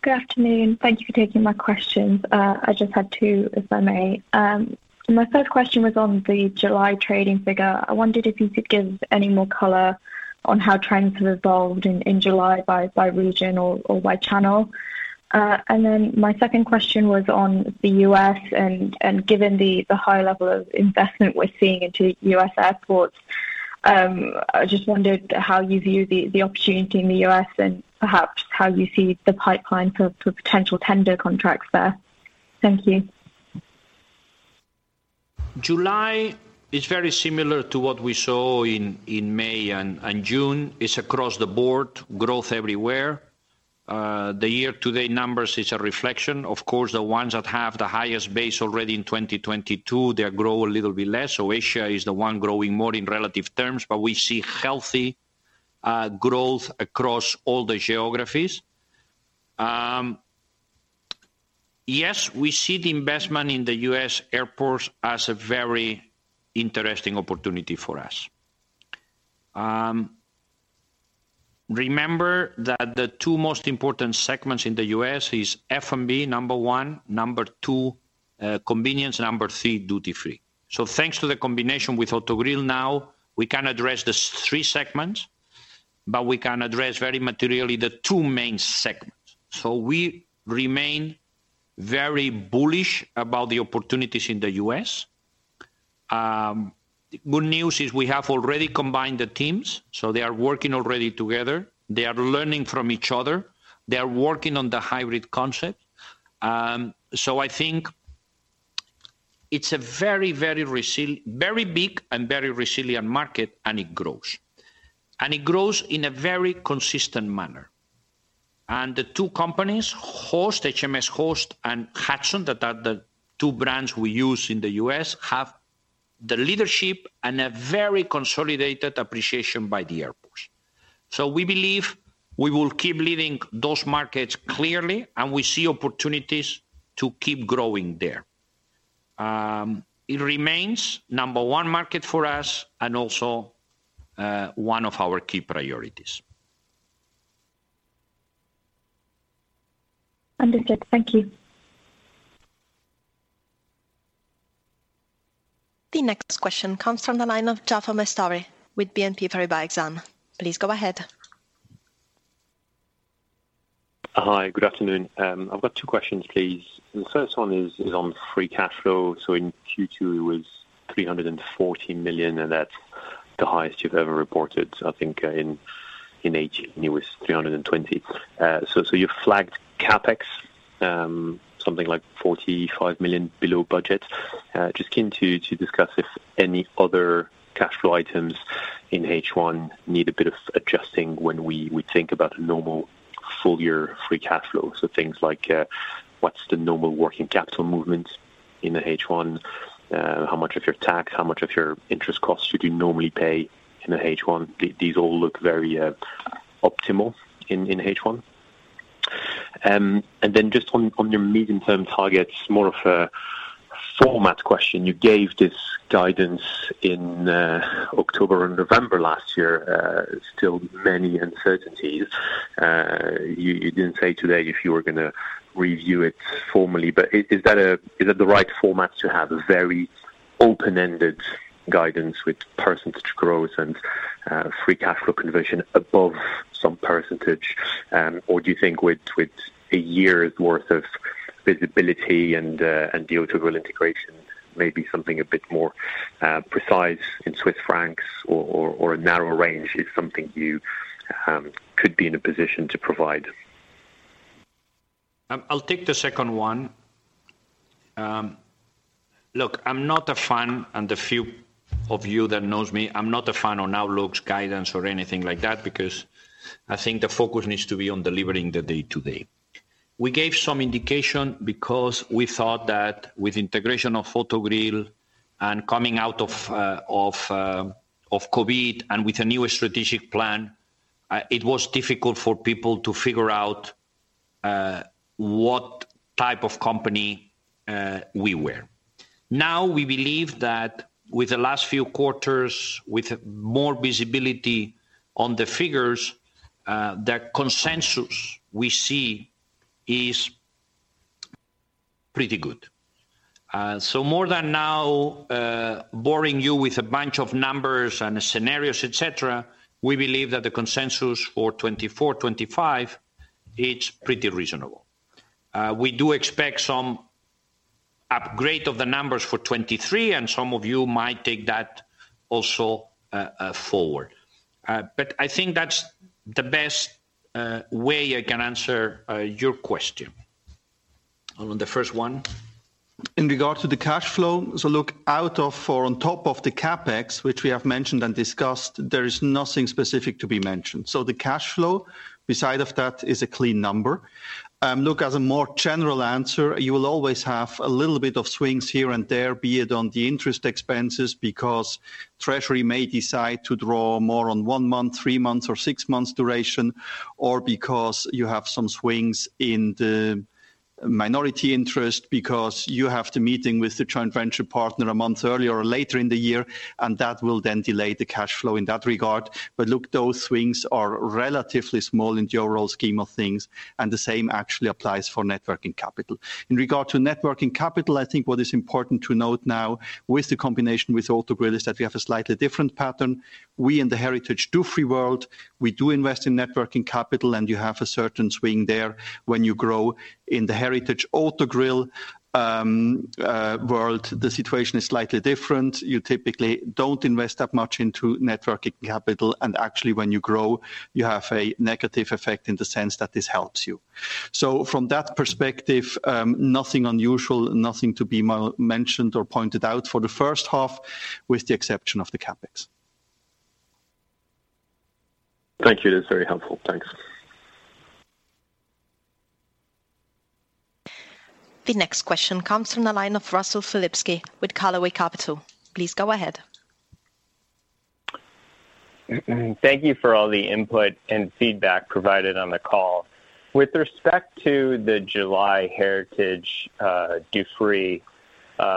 Good afternoon. Thank you for taking my questions. I just had two, if I may. My first question was on the July trading figure. I wondered if you could give any more color on how trends have evolved in July by region or by channel? My second question was on the U.S. given the high level of investment we're seeing into U.S. airports, I just wondered how you view the opportunity in the U.S. and perhaps how you see the pipeline for potential tender contracts there. Thank you. July is very similar to what we saw in, in May and, and June. It's across the board, growth everywhere. The year-to-date numbers is a reflection. Of course, the ones that have the highest base already in 2022, they grow a little bit less. Asia is the one growing more in relative terms, but we see healthy growth across all the geographies. Yes, we see the investment in the U.S. airports as a very interesting opportunity for us. Remember that the two most important segments in the U.S. is F&B, number one, number two, convenience, number three, duty-free. Thanks to the combination with Autogrill now, we can address three segments, but we can address very materially the two main segments. We remain very bullish about the opportunities in the U.S. Good news is we have already combined the teams, so they are working already together. They are learning from each other. They are working on the hybrid concept. So I think it's a very, very big and very resilient market, and it grows. It grows in a very consistent manner. The two companies, HMSHost, HMSHost, and Hudson, that are the two brands we use in the US, have the leadership and a very consolidated appreciation by the airports. So we believe we will keep leading those markets clearly, and we see opportunities to keep growing there. It remains number one market for us and also, one of our key priorities. Understood. Thank you. The next question comes from the line of Jaafar Mestari with Exane BNP Paribas. Please go ahead. Hi, good afternoon. I've got two questions, please. The first one is on free cash flow. In Q2, it was 340 million, and that's the highest you've ever reported, I think, in H1. It was 320 million. You flagged CapEx, something like 45 million below budget. Just keen to discuss if any other cash flow items in H1 need a bit of adjusting when we think about a normal full year free cash flow. Things like, what's the normal working capital movement in the H1? How much of your tax, how much of your interest costs would you normally pay in the H1? These all look very optimal in H1. Just on your medium-term targets, more of a format question. You gave this guidance in October and November last year, still many uncertainties. You, you didn't say today if you were gonna review it formally, but is that the right format to have a very open-ended guidance with percentage growth and free cash flow conversion above some percentage? Or do you think with a year's worth of visibility and the Autogrill integration, maybe something a bit more precise in Swiss francs or a narrow range is something you could be in a position to provide? I'll take the second one. Look, I'm not a fan, and the few of you that knows me, I'm not a fan on outlooks, guidance, or anything like that, because I think the focus needs to be on delivering the day-to-day. We gave some indication because we thought that with integration of Autogrill and coming out of COVID and with a new strategic plan, it was difficult for people to figure out what type of company we were. Now, we believe that with the last few quarters, with more visibility on the figures, the consensus we see is pretty good. More than now, boring you with a bunch of numbers and scenarios, et cetera, we believe that the consensus for 2024, 2025, it's pretty reasonable. We do expect some upgrade of the numbers for 2023, some of you might take that also forward. I think that's the best way I can answer your question. On the first one? In regard to the cash flow, look, out of or on top of the CapEx, which we have mentioned and discussed, there is nothing specific to be mentioned. The cash flow, beside of that, is a clean number. Look, as a more general answer, you will always have a little bit of swings here and there, be it on the interest expenses, because Treasury may decide to draw more on one month, three months, or six months duration, or because you have some swings in the minority interest, because you have the meeting with the joint venture partner a month earlier or later in the year, and that will then delay the cash flow in that regard. Look, those swings are relatively small in the overall scheme of things, and the same actually applies for net working capital. In regard to net working capital, I think what is important to note now with the combination with Autogrill is that we have a slightly different pattern. We in the heritage duty-free world, we do invest in net working capital, and you have a certain swing there when you grow. In the heritage Autogrill world, the situation is slightly different. You typically don't invest that much into net working capital, and actually when you grow, you have a negative effect in the sense that this helps you. So from that perspective, nothing unusual, nothing to be mentioned or pointed out for the first half, with the exception of the CapEx. Thank you. That's very helpful. Thanks. The next question comes from the line of Russell Philipsky with Carloway Capital. Please go ahead. Thank you for all the input and feedback provided on the call. With respect to the July heritage, duty-free,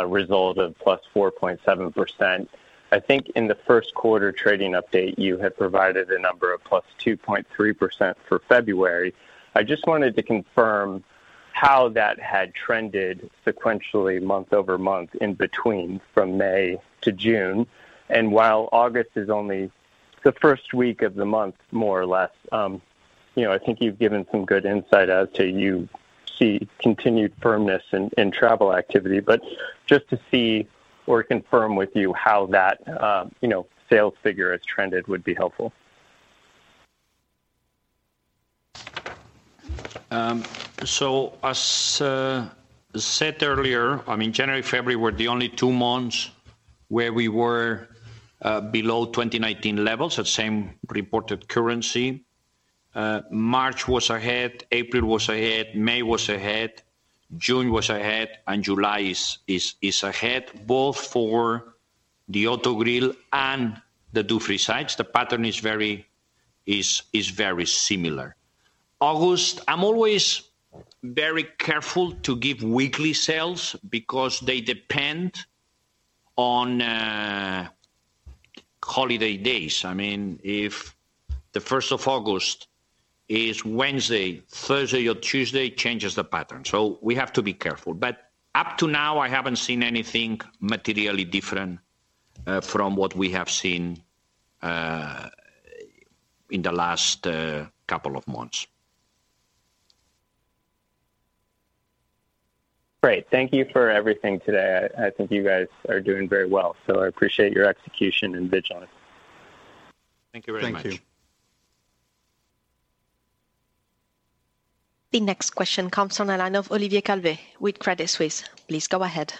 result of +4.7%, I think in the first quarter trading update, you had provided a number of +2.3% for February. I just wanted to confirm how that had trended sequentially month-over-month in between, from May to June. While August is only the 1st week of the month, more or less, you know, I think you've given some good insight as to you see continued firmness in, in travel activity. Just to see or confirm with you how that, you know, sales figure has trended would be helpful. So as said earlier, I mean, January, February were the only two months where we were below 2019 levels, at same reported currency. March was ahead, April was ahead, May was ahead, June was ahead, and July is, is, is ahead, both for the Autogrill and the duty-free sites. The pattern is very, is, is very similar. August, I'm always very careful to give weekly sales because they depend on holiday days. I mean, if the 1st of August is Wednesday, Thursday or Tuesday changes the pattern, so we have to be careful. Up to now, I haven't seen anything materially different from what we have seen in the last couple of months. Great. Thank you for everything today. I, I think you guys are doing very well, so I appreciate your execution and vigilance. Thank you very much. Thank you. The next question comes from the line of Olivier Calvet with Credit Suisse. Please go ahead.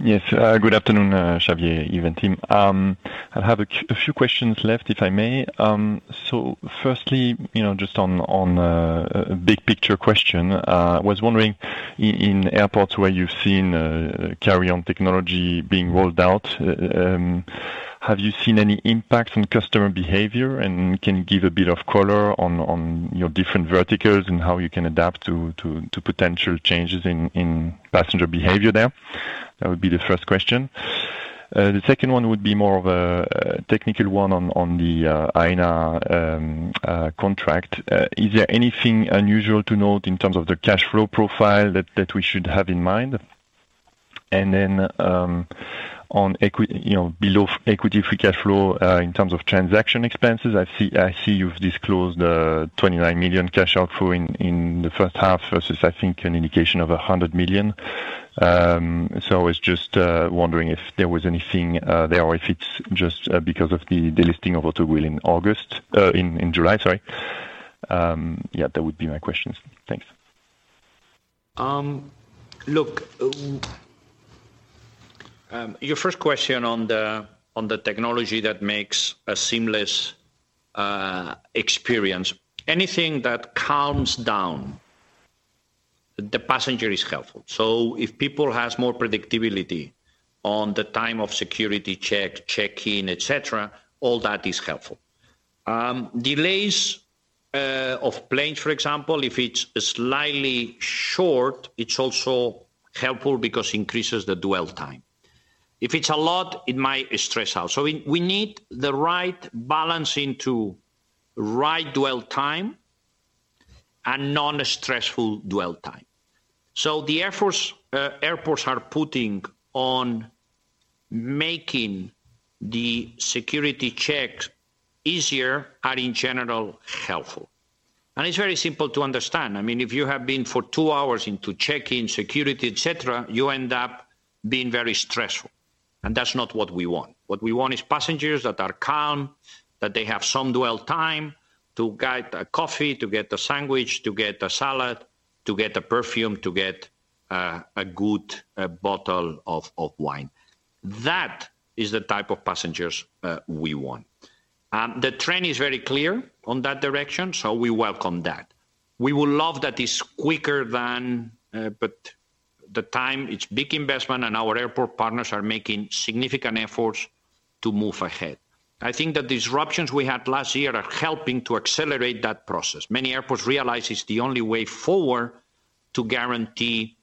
Yes, good afternoon, Xavier, Yves and team. I have a few questions left, if I may. Firstly, you know, just on, on, a big picture question, was wondering in airports where you've seen, carry-on technology being rolled out, have you seen any impact on customer behavior? Can you give a bit of color on, on your different verticals and how you can adapt to potential changes in, in passenger behavior there? That would be the first question. The second one would be more of a, a technical one on, on the Aena contract. Is there anything unusual to note in terms of the cash flow profile that we should have in mind? On equi- you know, below equity-free cash flow, in terms of transaction expenses, I see, I see you've disclosed 29 million cash outflow in the first half versus, I think, an indication of 100 million. So I was just wondering if there was anything there, or if it's just because of the listing of Autogrill in August, in July, sorry. Yeah, that would be my questions. Thanks. Look, your first question on the, on the technology that makes a seamless experience. Anything that calms down the passenger is helpful. If people has more predictability on the time of security check, check-in, et cetera, all that is helpful. Delays of planes, for example, if it's slightly short, it's also helpful because increases the dwell time. If it's a lot, it might stress out. We, we need the right balancing to right dwell time and non-stressful dwell time. The air force- airports are putting on making the security checks easier, are in general, helpful. And it's very simple to understand. I mean, if you have been for two hours into check-in, security, et cetera, you end up being very stressful, and that's not what we want. What we want is passengers that are calm, that they have some dwell time to get a coffee, to get a sandwich, to get a salad, to get a perfume, to get a good bottle of wine. That is the type of passengers we want. The trend is very clear on that direction. We welcome that. We would love that it's quicker than, but the time, it's big investment. Our airport partners are making significant efforts to move ahead. I think the disruptions we had last year are helping to accelerate that process. Many airports realize it's the only way forward to guarantee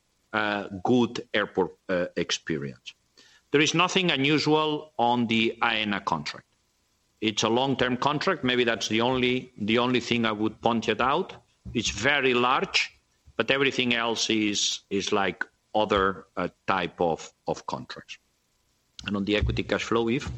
good airport experience. There is nothing unusual on the Aena contract. It's a long-term contract. Maybe that's the only, the only thing I would point it out. It's very large, but everything else is like other type of contracts. On the equity cash flow, Yves?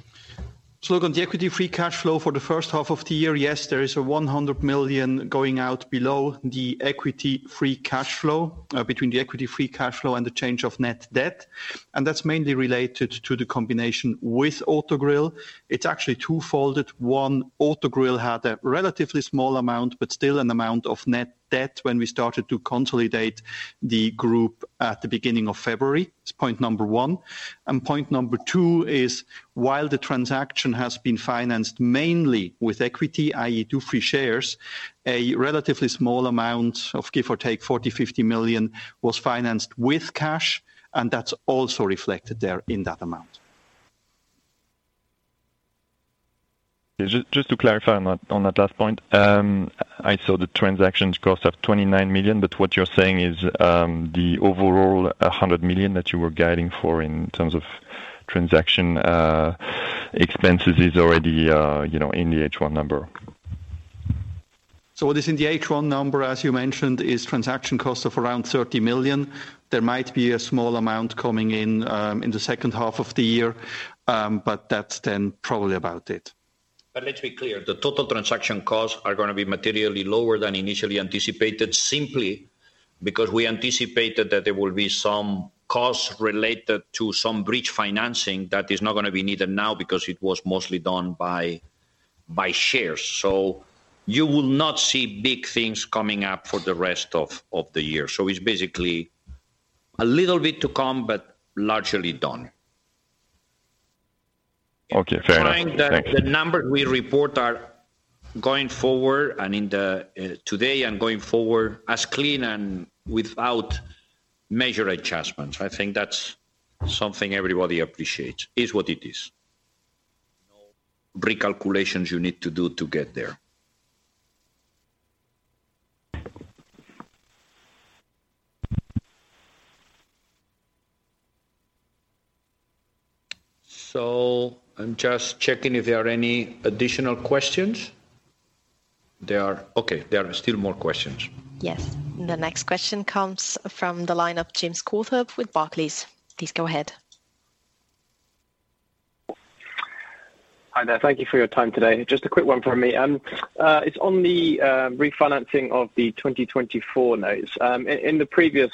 Look, on the equity free cash flow for the first half of the year, yes, there is a 100 million going out below the equity free cash flow, between the equity free cash flow and the change of net debt. That's mainly related to the combination with Autogrill. It's actually twofolded. One, Autogrill had a relatively small amount, but still an amount of net debt when we started to consolidate the group at the beginning of February. It's point number one. Point number two is, while the transaction has been financed mainly with equity, i.e., duty-free shares, a relatively small amount of give or take 40 million-50 million was financed with cash. That's also reflected there in that amount. Just, just to clarify on that, on that last point, I saw the transactions cost of 29 million, but what you're saying is, the overall, 100 million that you were guiding for in terms of transaction, expenses is already, you know, in the H1 number? What is in the H1 number, as you mentioned, is transaction costs of around 30 million. There might be a small amount coming in in the second half of the year, but that's then probably about it. Let's be clear, the total transaction costs are going to be materially lower than initially anticipated, simply because we anticipated that there will be some costs related to some bridge financing that is not going to be needed now because it was mostly done by shares. You will not see big things coming up for the rest of the year. It's basically a little bit to come, but largely done. Okay, fair enough. Thank you. The numbers we report are going forward and in the, today and going forward, as clean and without major adjustments. I think that's something everybody appreciates. It is what it is. No recalculations you need to do to get there. I'm just checking if there are any additional questions. There are... Okay, there are still more questions. Yes. The next question comes from the line of James Cawthorn with Barclays. Please go ahead. Hi there. Thank you for your time today. Just a quick one from me. It's on the refinancing of the 2024 notes. In the previous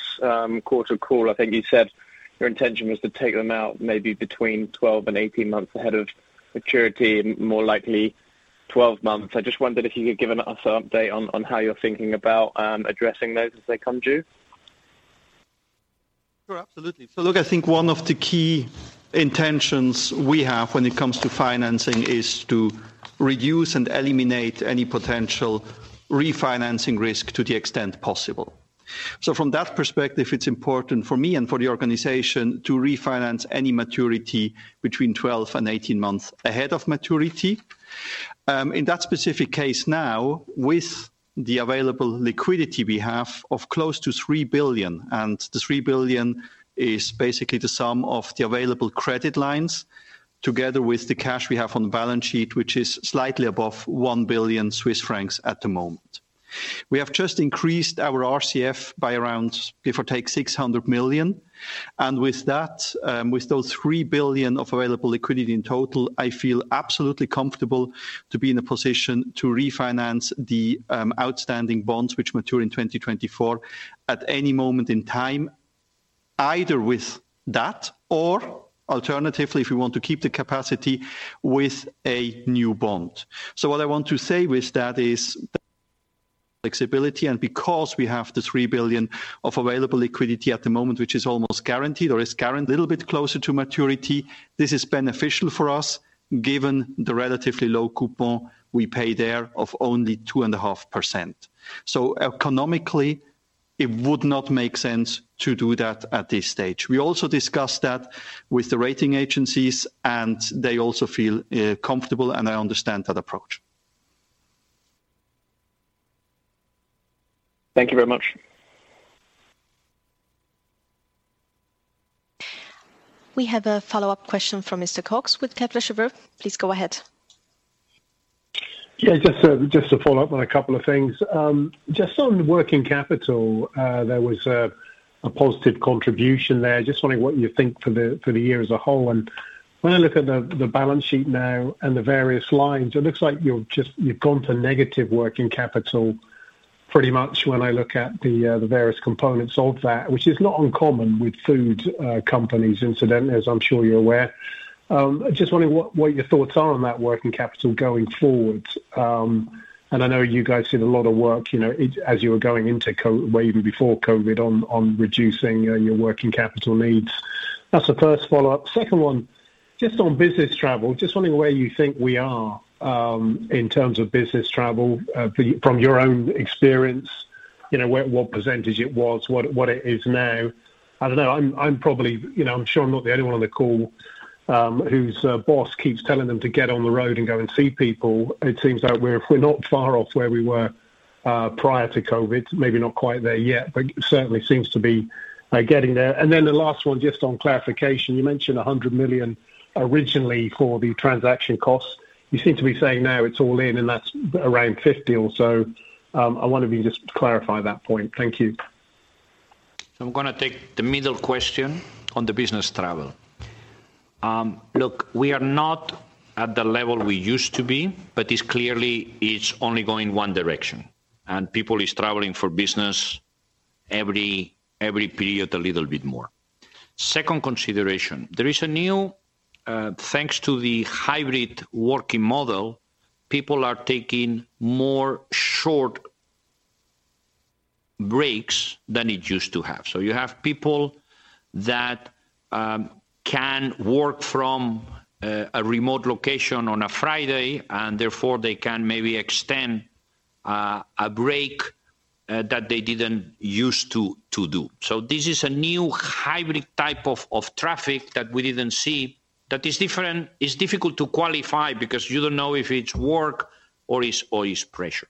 quarter call, I think you said your intention was to take them out maybe between 12 and 18 months ahead of maturity, and more likely 12 months. I just wondered if you could give us an update on how you're thinking about addressing those as they come due. Sure. Absolutely. Look, I think one of the key intentions we have when it comes to financing is to reduce and eliminate any potential refinancing risk to the extent possible. From that perspective, it's important for me and for the organization to refinance any maturity between 12 and 18 months ahead of maturity. In that specific case now, with the available liquidity we have of close to 3 billion, and the 3 billion is basically the sum of the available credit lines together with the cash we have on the balance sheet, which is slightly above 1 billion Swiss francs at the moment. We have just increased our RCF by around, give or take, 600 million, and with that, with those 3 billion of available liquidity in total, I feel absolutely comfortable to be in a position to refinance the outstanding bonds which mature in 2024, at any moment in time, either with that or alternatively, if we want to keep the capacity, with a new bond. What I want to say with that is flexibility, and because we have the 3 billion of available liquidity at the moment, which is almost guaranteed or is guaranteed a little bit closer to maturity, this is beneficial for us, given the relatively low coupon we pay there of only 2.5%. Economically, it would not make sense to do that at this stage. We also discussed that with the rating agencies, they also feel comfortable, and I understand that approach. Thank you very much. We have a follow-up question from Mr. Cox with Kepler Cheuvreux. Please go ahead. Yeah, just to, just to follow up on a couple of things. Just on working capital, there was a, a positive contribution there. Just wondering what you think for the, for the year as a whole. When I look at the, the balance sheet now and the various lines, it looks like you've gone to negative working capital, pretty much when I look at the various components of that, which is not uncommon with food companies incidentally, as I'm sure you're aware. Just wondering what, what your thoughts are on that working capital going forward. I know you guys did a lot of work, you know, as you were going into COVID, well, even before COVID, on, on reducing your working capital needs. That's the first follow-up. Second one, just on business travel, just wondering where you think we are, in terms of business travel, from your own experience, you know, where, what percentage it was, what, what it is now? I don't know, I'm, I'm probably, you know, I'm sure I'm not the only one on the call, whose boss keeps telling them to get on the road and go and see people. It seems like we're, we're not far off where we were, prior to COVID, maybe not quite there yet, but it certainly seems to be getting there. The last one, just on clarification, you mentioned $100 million originally for the transaction costs. You seem to be saying now it's all in, and that's around $50 or so. I wonder if you could just clarify that point. Thank you. I'm gonna take the middle question on the business travel. Look, we are not at the level we used to be, but it's clearly, it's only going 1 direction. People is traveling for business every, every period, a little bit more. Second consideration: there is a new, thanks to the hybrid working model, people are taking more short breaks than it used to have. You have people that can work from a remote location on a Friday, and therefore they can maybe extend a break that they didn't use to, to do. This is a new hybrid type of, of traffic that we didn't see, that is different. It's difficult to qualify because you don't know if it's work or it's, or it's pressure.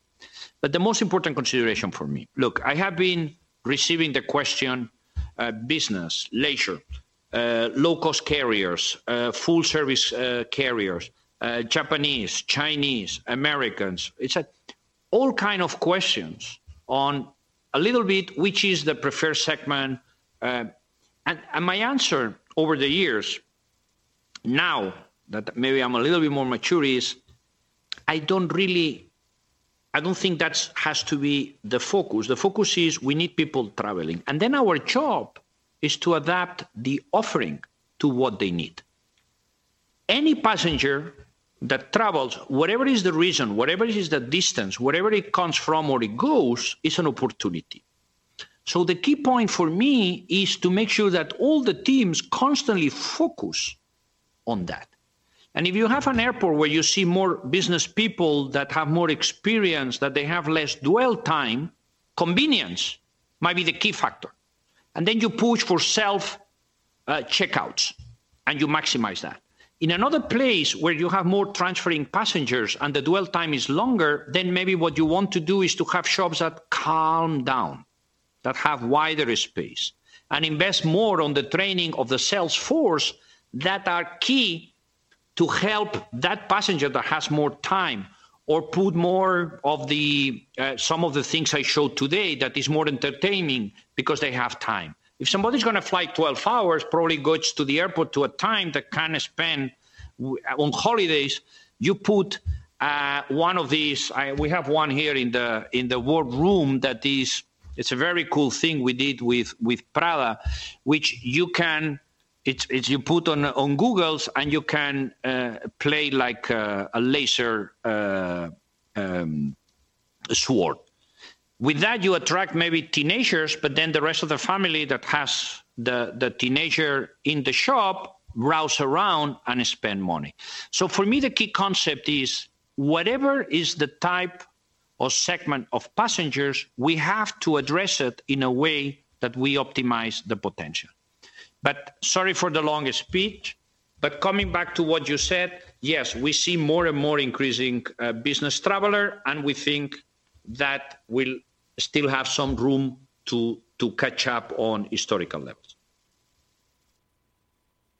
The most important consideration for me-- Look, I have been receiving the question, business, leisure, low-cost carriers, full service, carriers, Japanese, Chinese, Americans. It's a all kind of questions on a little bit, which is the preferred segment. My answer over the years, now that maybe I'm a little bit more mature, is I don't think that's has to be the focus. The focus is we need people traveling, and then our job is to adapt the offering to what they need. Any passenger that travels, whatever is the reason, whatever is the distance, wherever it comes from or it goes, is an opportunity. The key point for me is to make sure that all the teams constantly focus on that. If you have an airport where you see more business people that have more experience, that they have less dwell time, convenience might be the key factor. Then you push for self-checkouts, and you maximize that. In another place where you have more transferring passengers and the dwell time is longer, then maybe what you want to do is to have shops that calm down, that have wider space, and invest more on the training of the sales force that are key to help that passenger that has more time, or put more of the some of the things I showed today that is more entertaining because they have time. If somebody's gonna fly 12 hours, probably goes to the airport to a time to kind of spend on holidays, you put one of these... I, we have one here in the, in the board room that is. It's a very cool thing we did with, with Prada, which you can. It's, it's you put on, on goggles, and you can play like a laser sword. With that, you attract maybe teenagers, but then the rest of the family that has the, the teenager in the shop browse around and spend money. For me, the key concept is whatever is the type or segment of passengers, we have to address it in a way that we optimize the potential. Sorry for the long speech, but coming back to what you said, yes, we see more and more increasing business traveler, and we think that we'll still have some room to, to catch up on historical levels.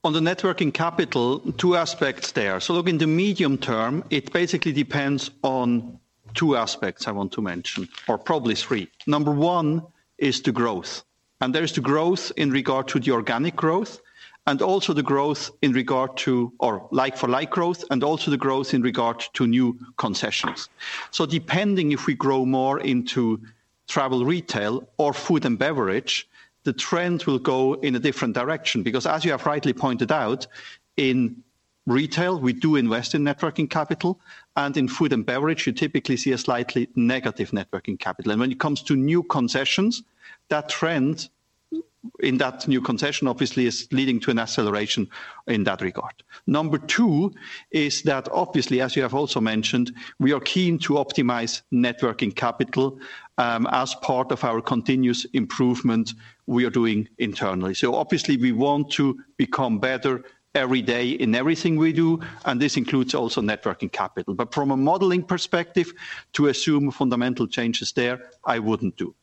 On the networking capital, two aspects there. Look, in the medium term, it basically depends on two aspects I want to mention, or probably three. Number one is the growth, and there is the growth in regard to the organic growth, and also the growth or like-for-like growth, and also the growth in regard to new concessions. Depending if we grow more into travel retail or food and beverage, the trend will go in a different direction. As you have rightly pointed out, in retail, we do invest in networking capital, and in food and beverage, you typically see a slightly negative networking capital. When it comes to new concessions, that trend in that new concession obviously is leading to an acceleration in that regard. Number two is that obviously, as you have also mentioned, we are keen to optimize networking capital, as part of our continuous improvement we are doing internally. Obviously, we want to become better every day in everything we do, and this includes also networking capital. From a modeling perspective, to assume fundamental changes there, I wouldn't do.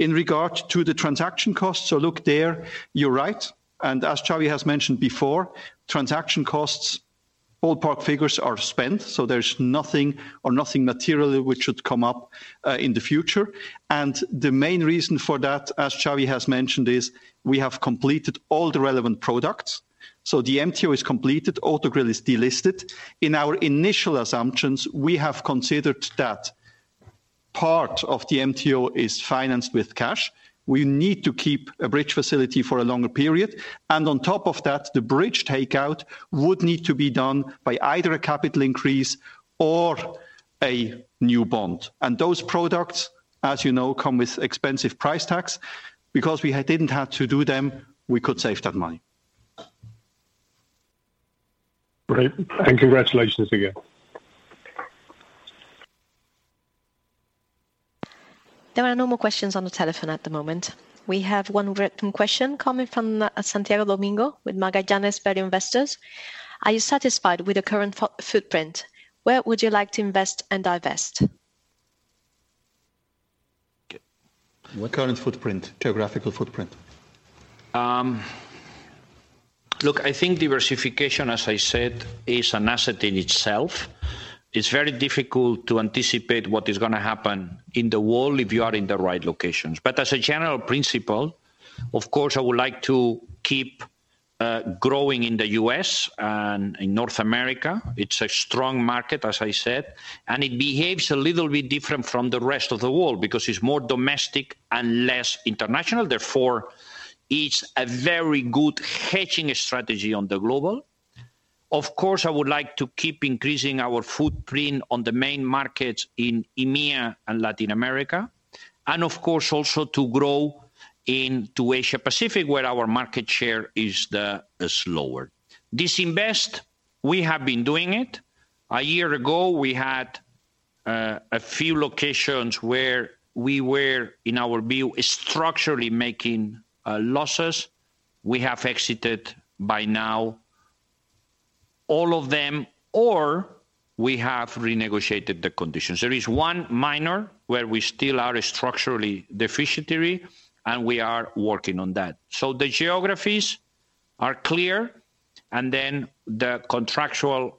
In regard to the transaction costs, look, there, you're right, and as Xavi has mentioned before, transaction costs, ballpark figures are spent, so there's nothing or nothing materially which should come up in the future. The main reason for that, as Xavi has mentioned, is we have completed all the relevant products, so the MTO is completed, Autogrill is delisted. In our initial assumptions, we have considered that part of the MTO is financed with cash. We need to keep a bridge facility for a longer period. On top of that, the bridge takeout would need to be done by either a capital increase or a new bond. Those products, as you know, come with expensive price tags. Because we didn't have to do them, we could save that money. Great, congratulations again. There are no more questions on the telephone at the moment. We have one written question coming from Santiago Domingo with Magallanes Value Investors: Are you satisfied with the current footprint? Where would you like to invest and divest? What current footprint? Geographical footprint. Look, I think diversification, as I said, is an asset in itself. It's very difficult to anticipate what is gonna happen in the world if you are in the right locations. As a general principle, of course, I would like to keep growing in the U.S. and in North America. It's a strong market, as I said, and it behaves a little bit different from the rest of the world because it's more domestic and less international. Therefore, it's a very good hedging strategy on the global. Of course, I would like to keep increasing our footprint on the main markets in EMEA and Latin America, and of course, also to grow into Asia-Pacific, where our market share is the slower. Disinvest, we have been doing it. A year ago, we had a few locations where we were, in our view, structurally making losses. We have exited by now all of them or we have renegotiated the conditions. There is one minor where we still are structurally deficient, and we are working on that. The geographies are clear, and then the contractual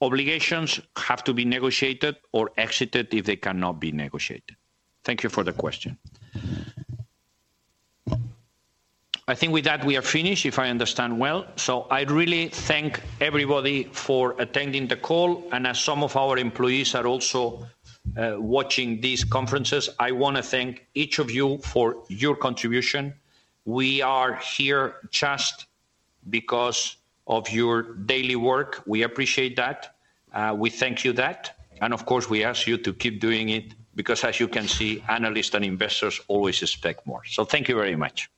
obligations have to be negotiated or exited if they cannot be negotiated. Thank you for the question. I think with that, we are finished, if I understand well. I really thank everybody for attending the call, and as some of our employees are also watching these conferences, I want to thank each of you for your contribution. We are here just because of your daily work. We appreciate that. We thank you that, and of course, we ask you to keep doing it, because as you can see, analysts and investors always expect more. Thank you very much.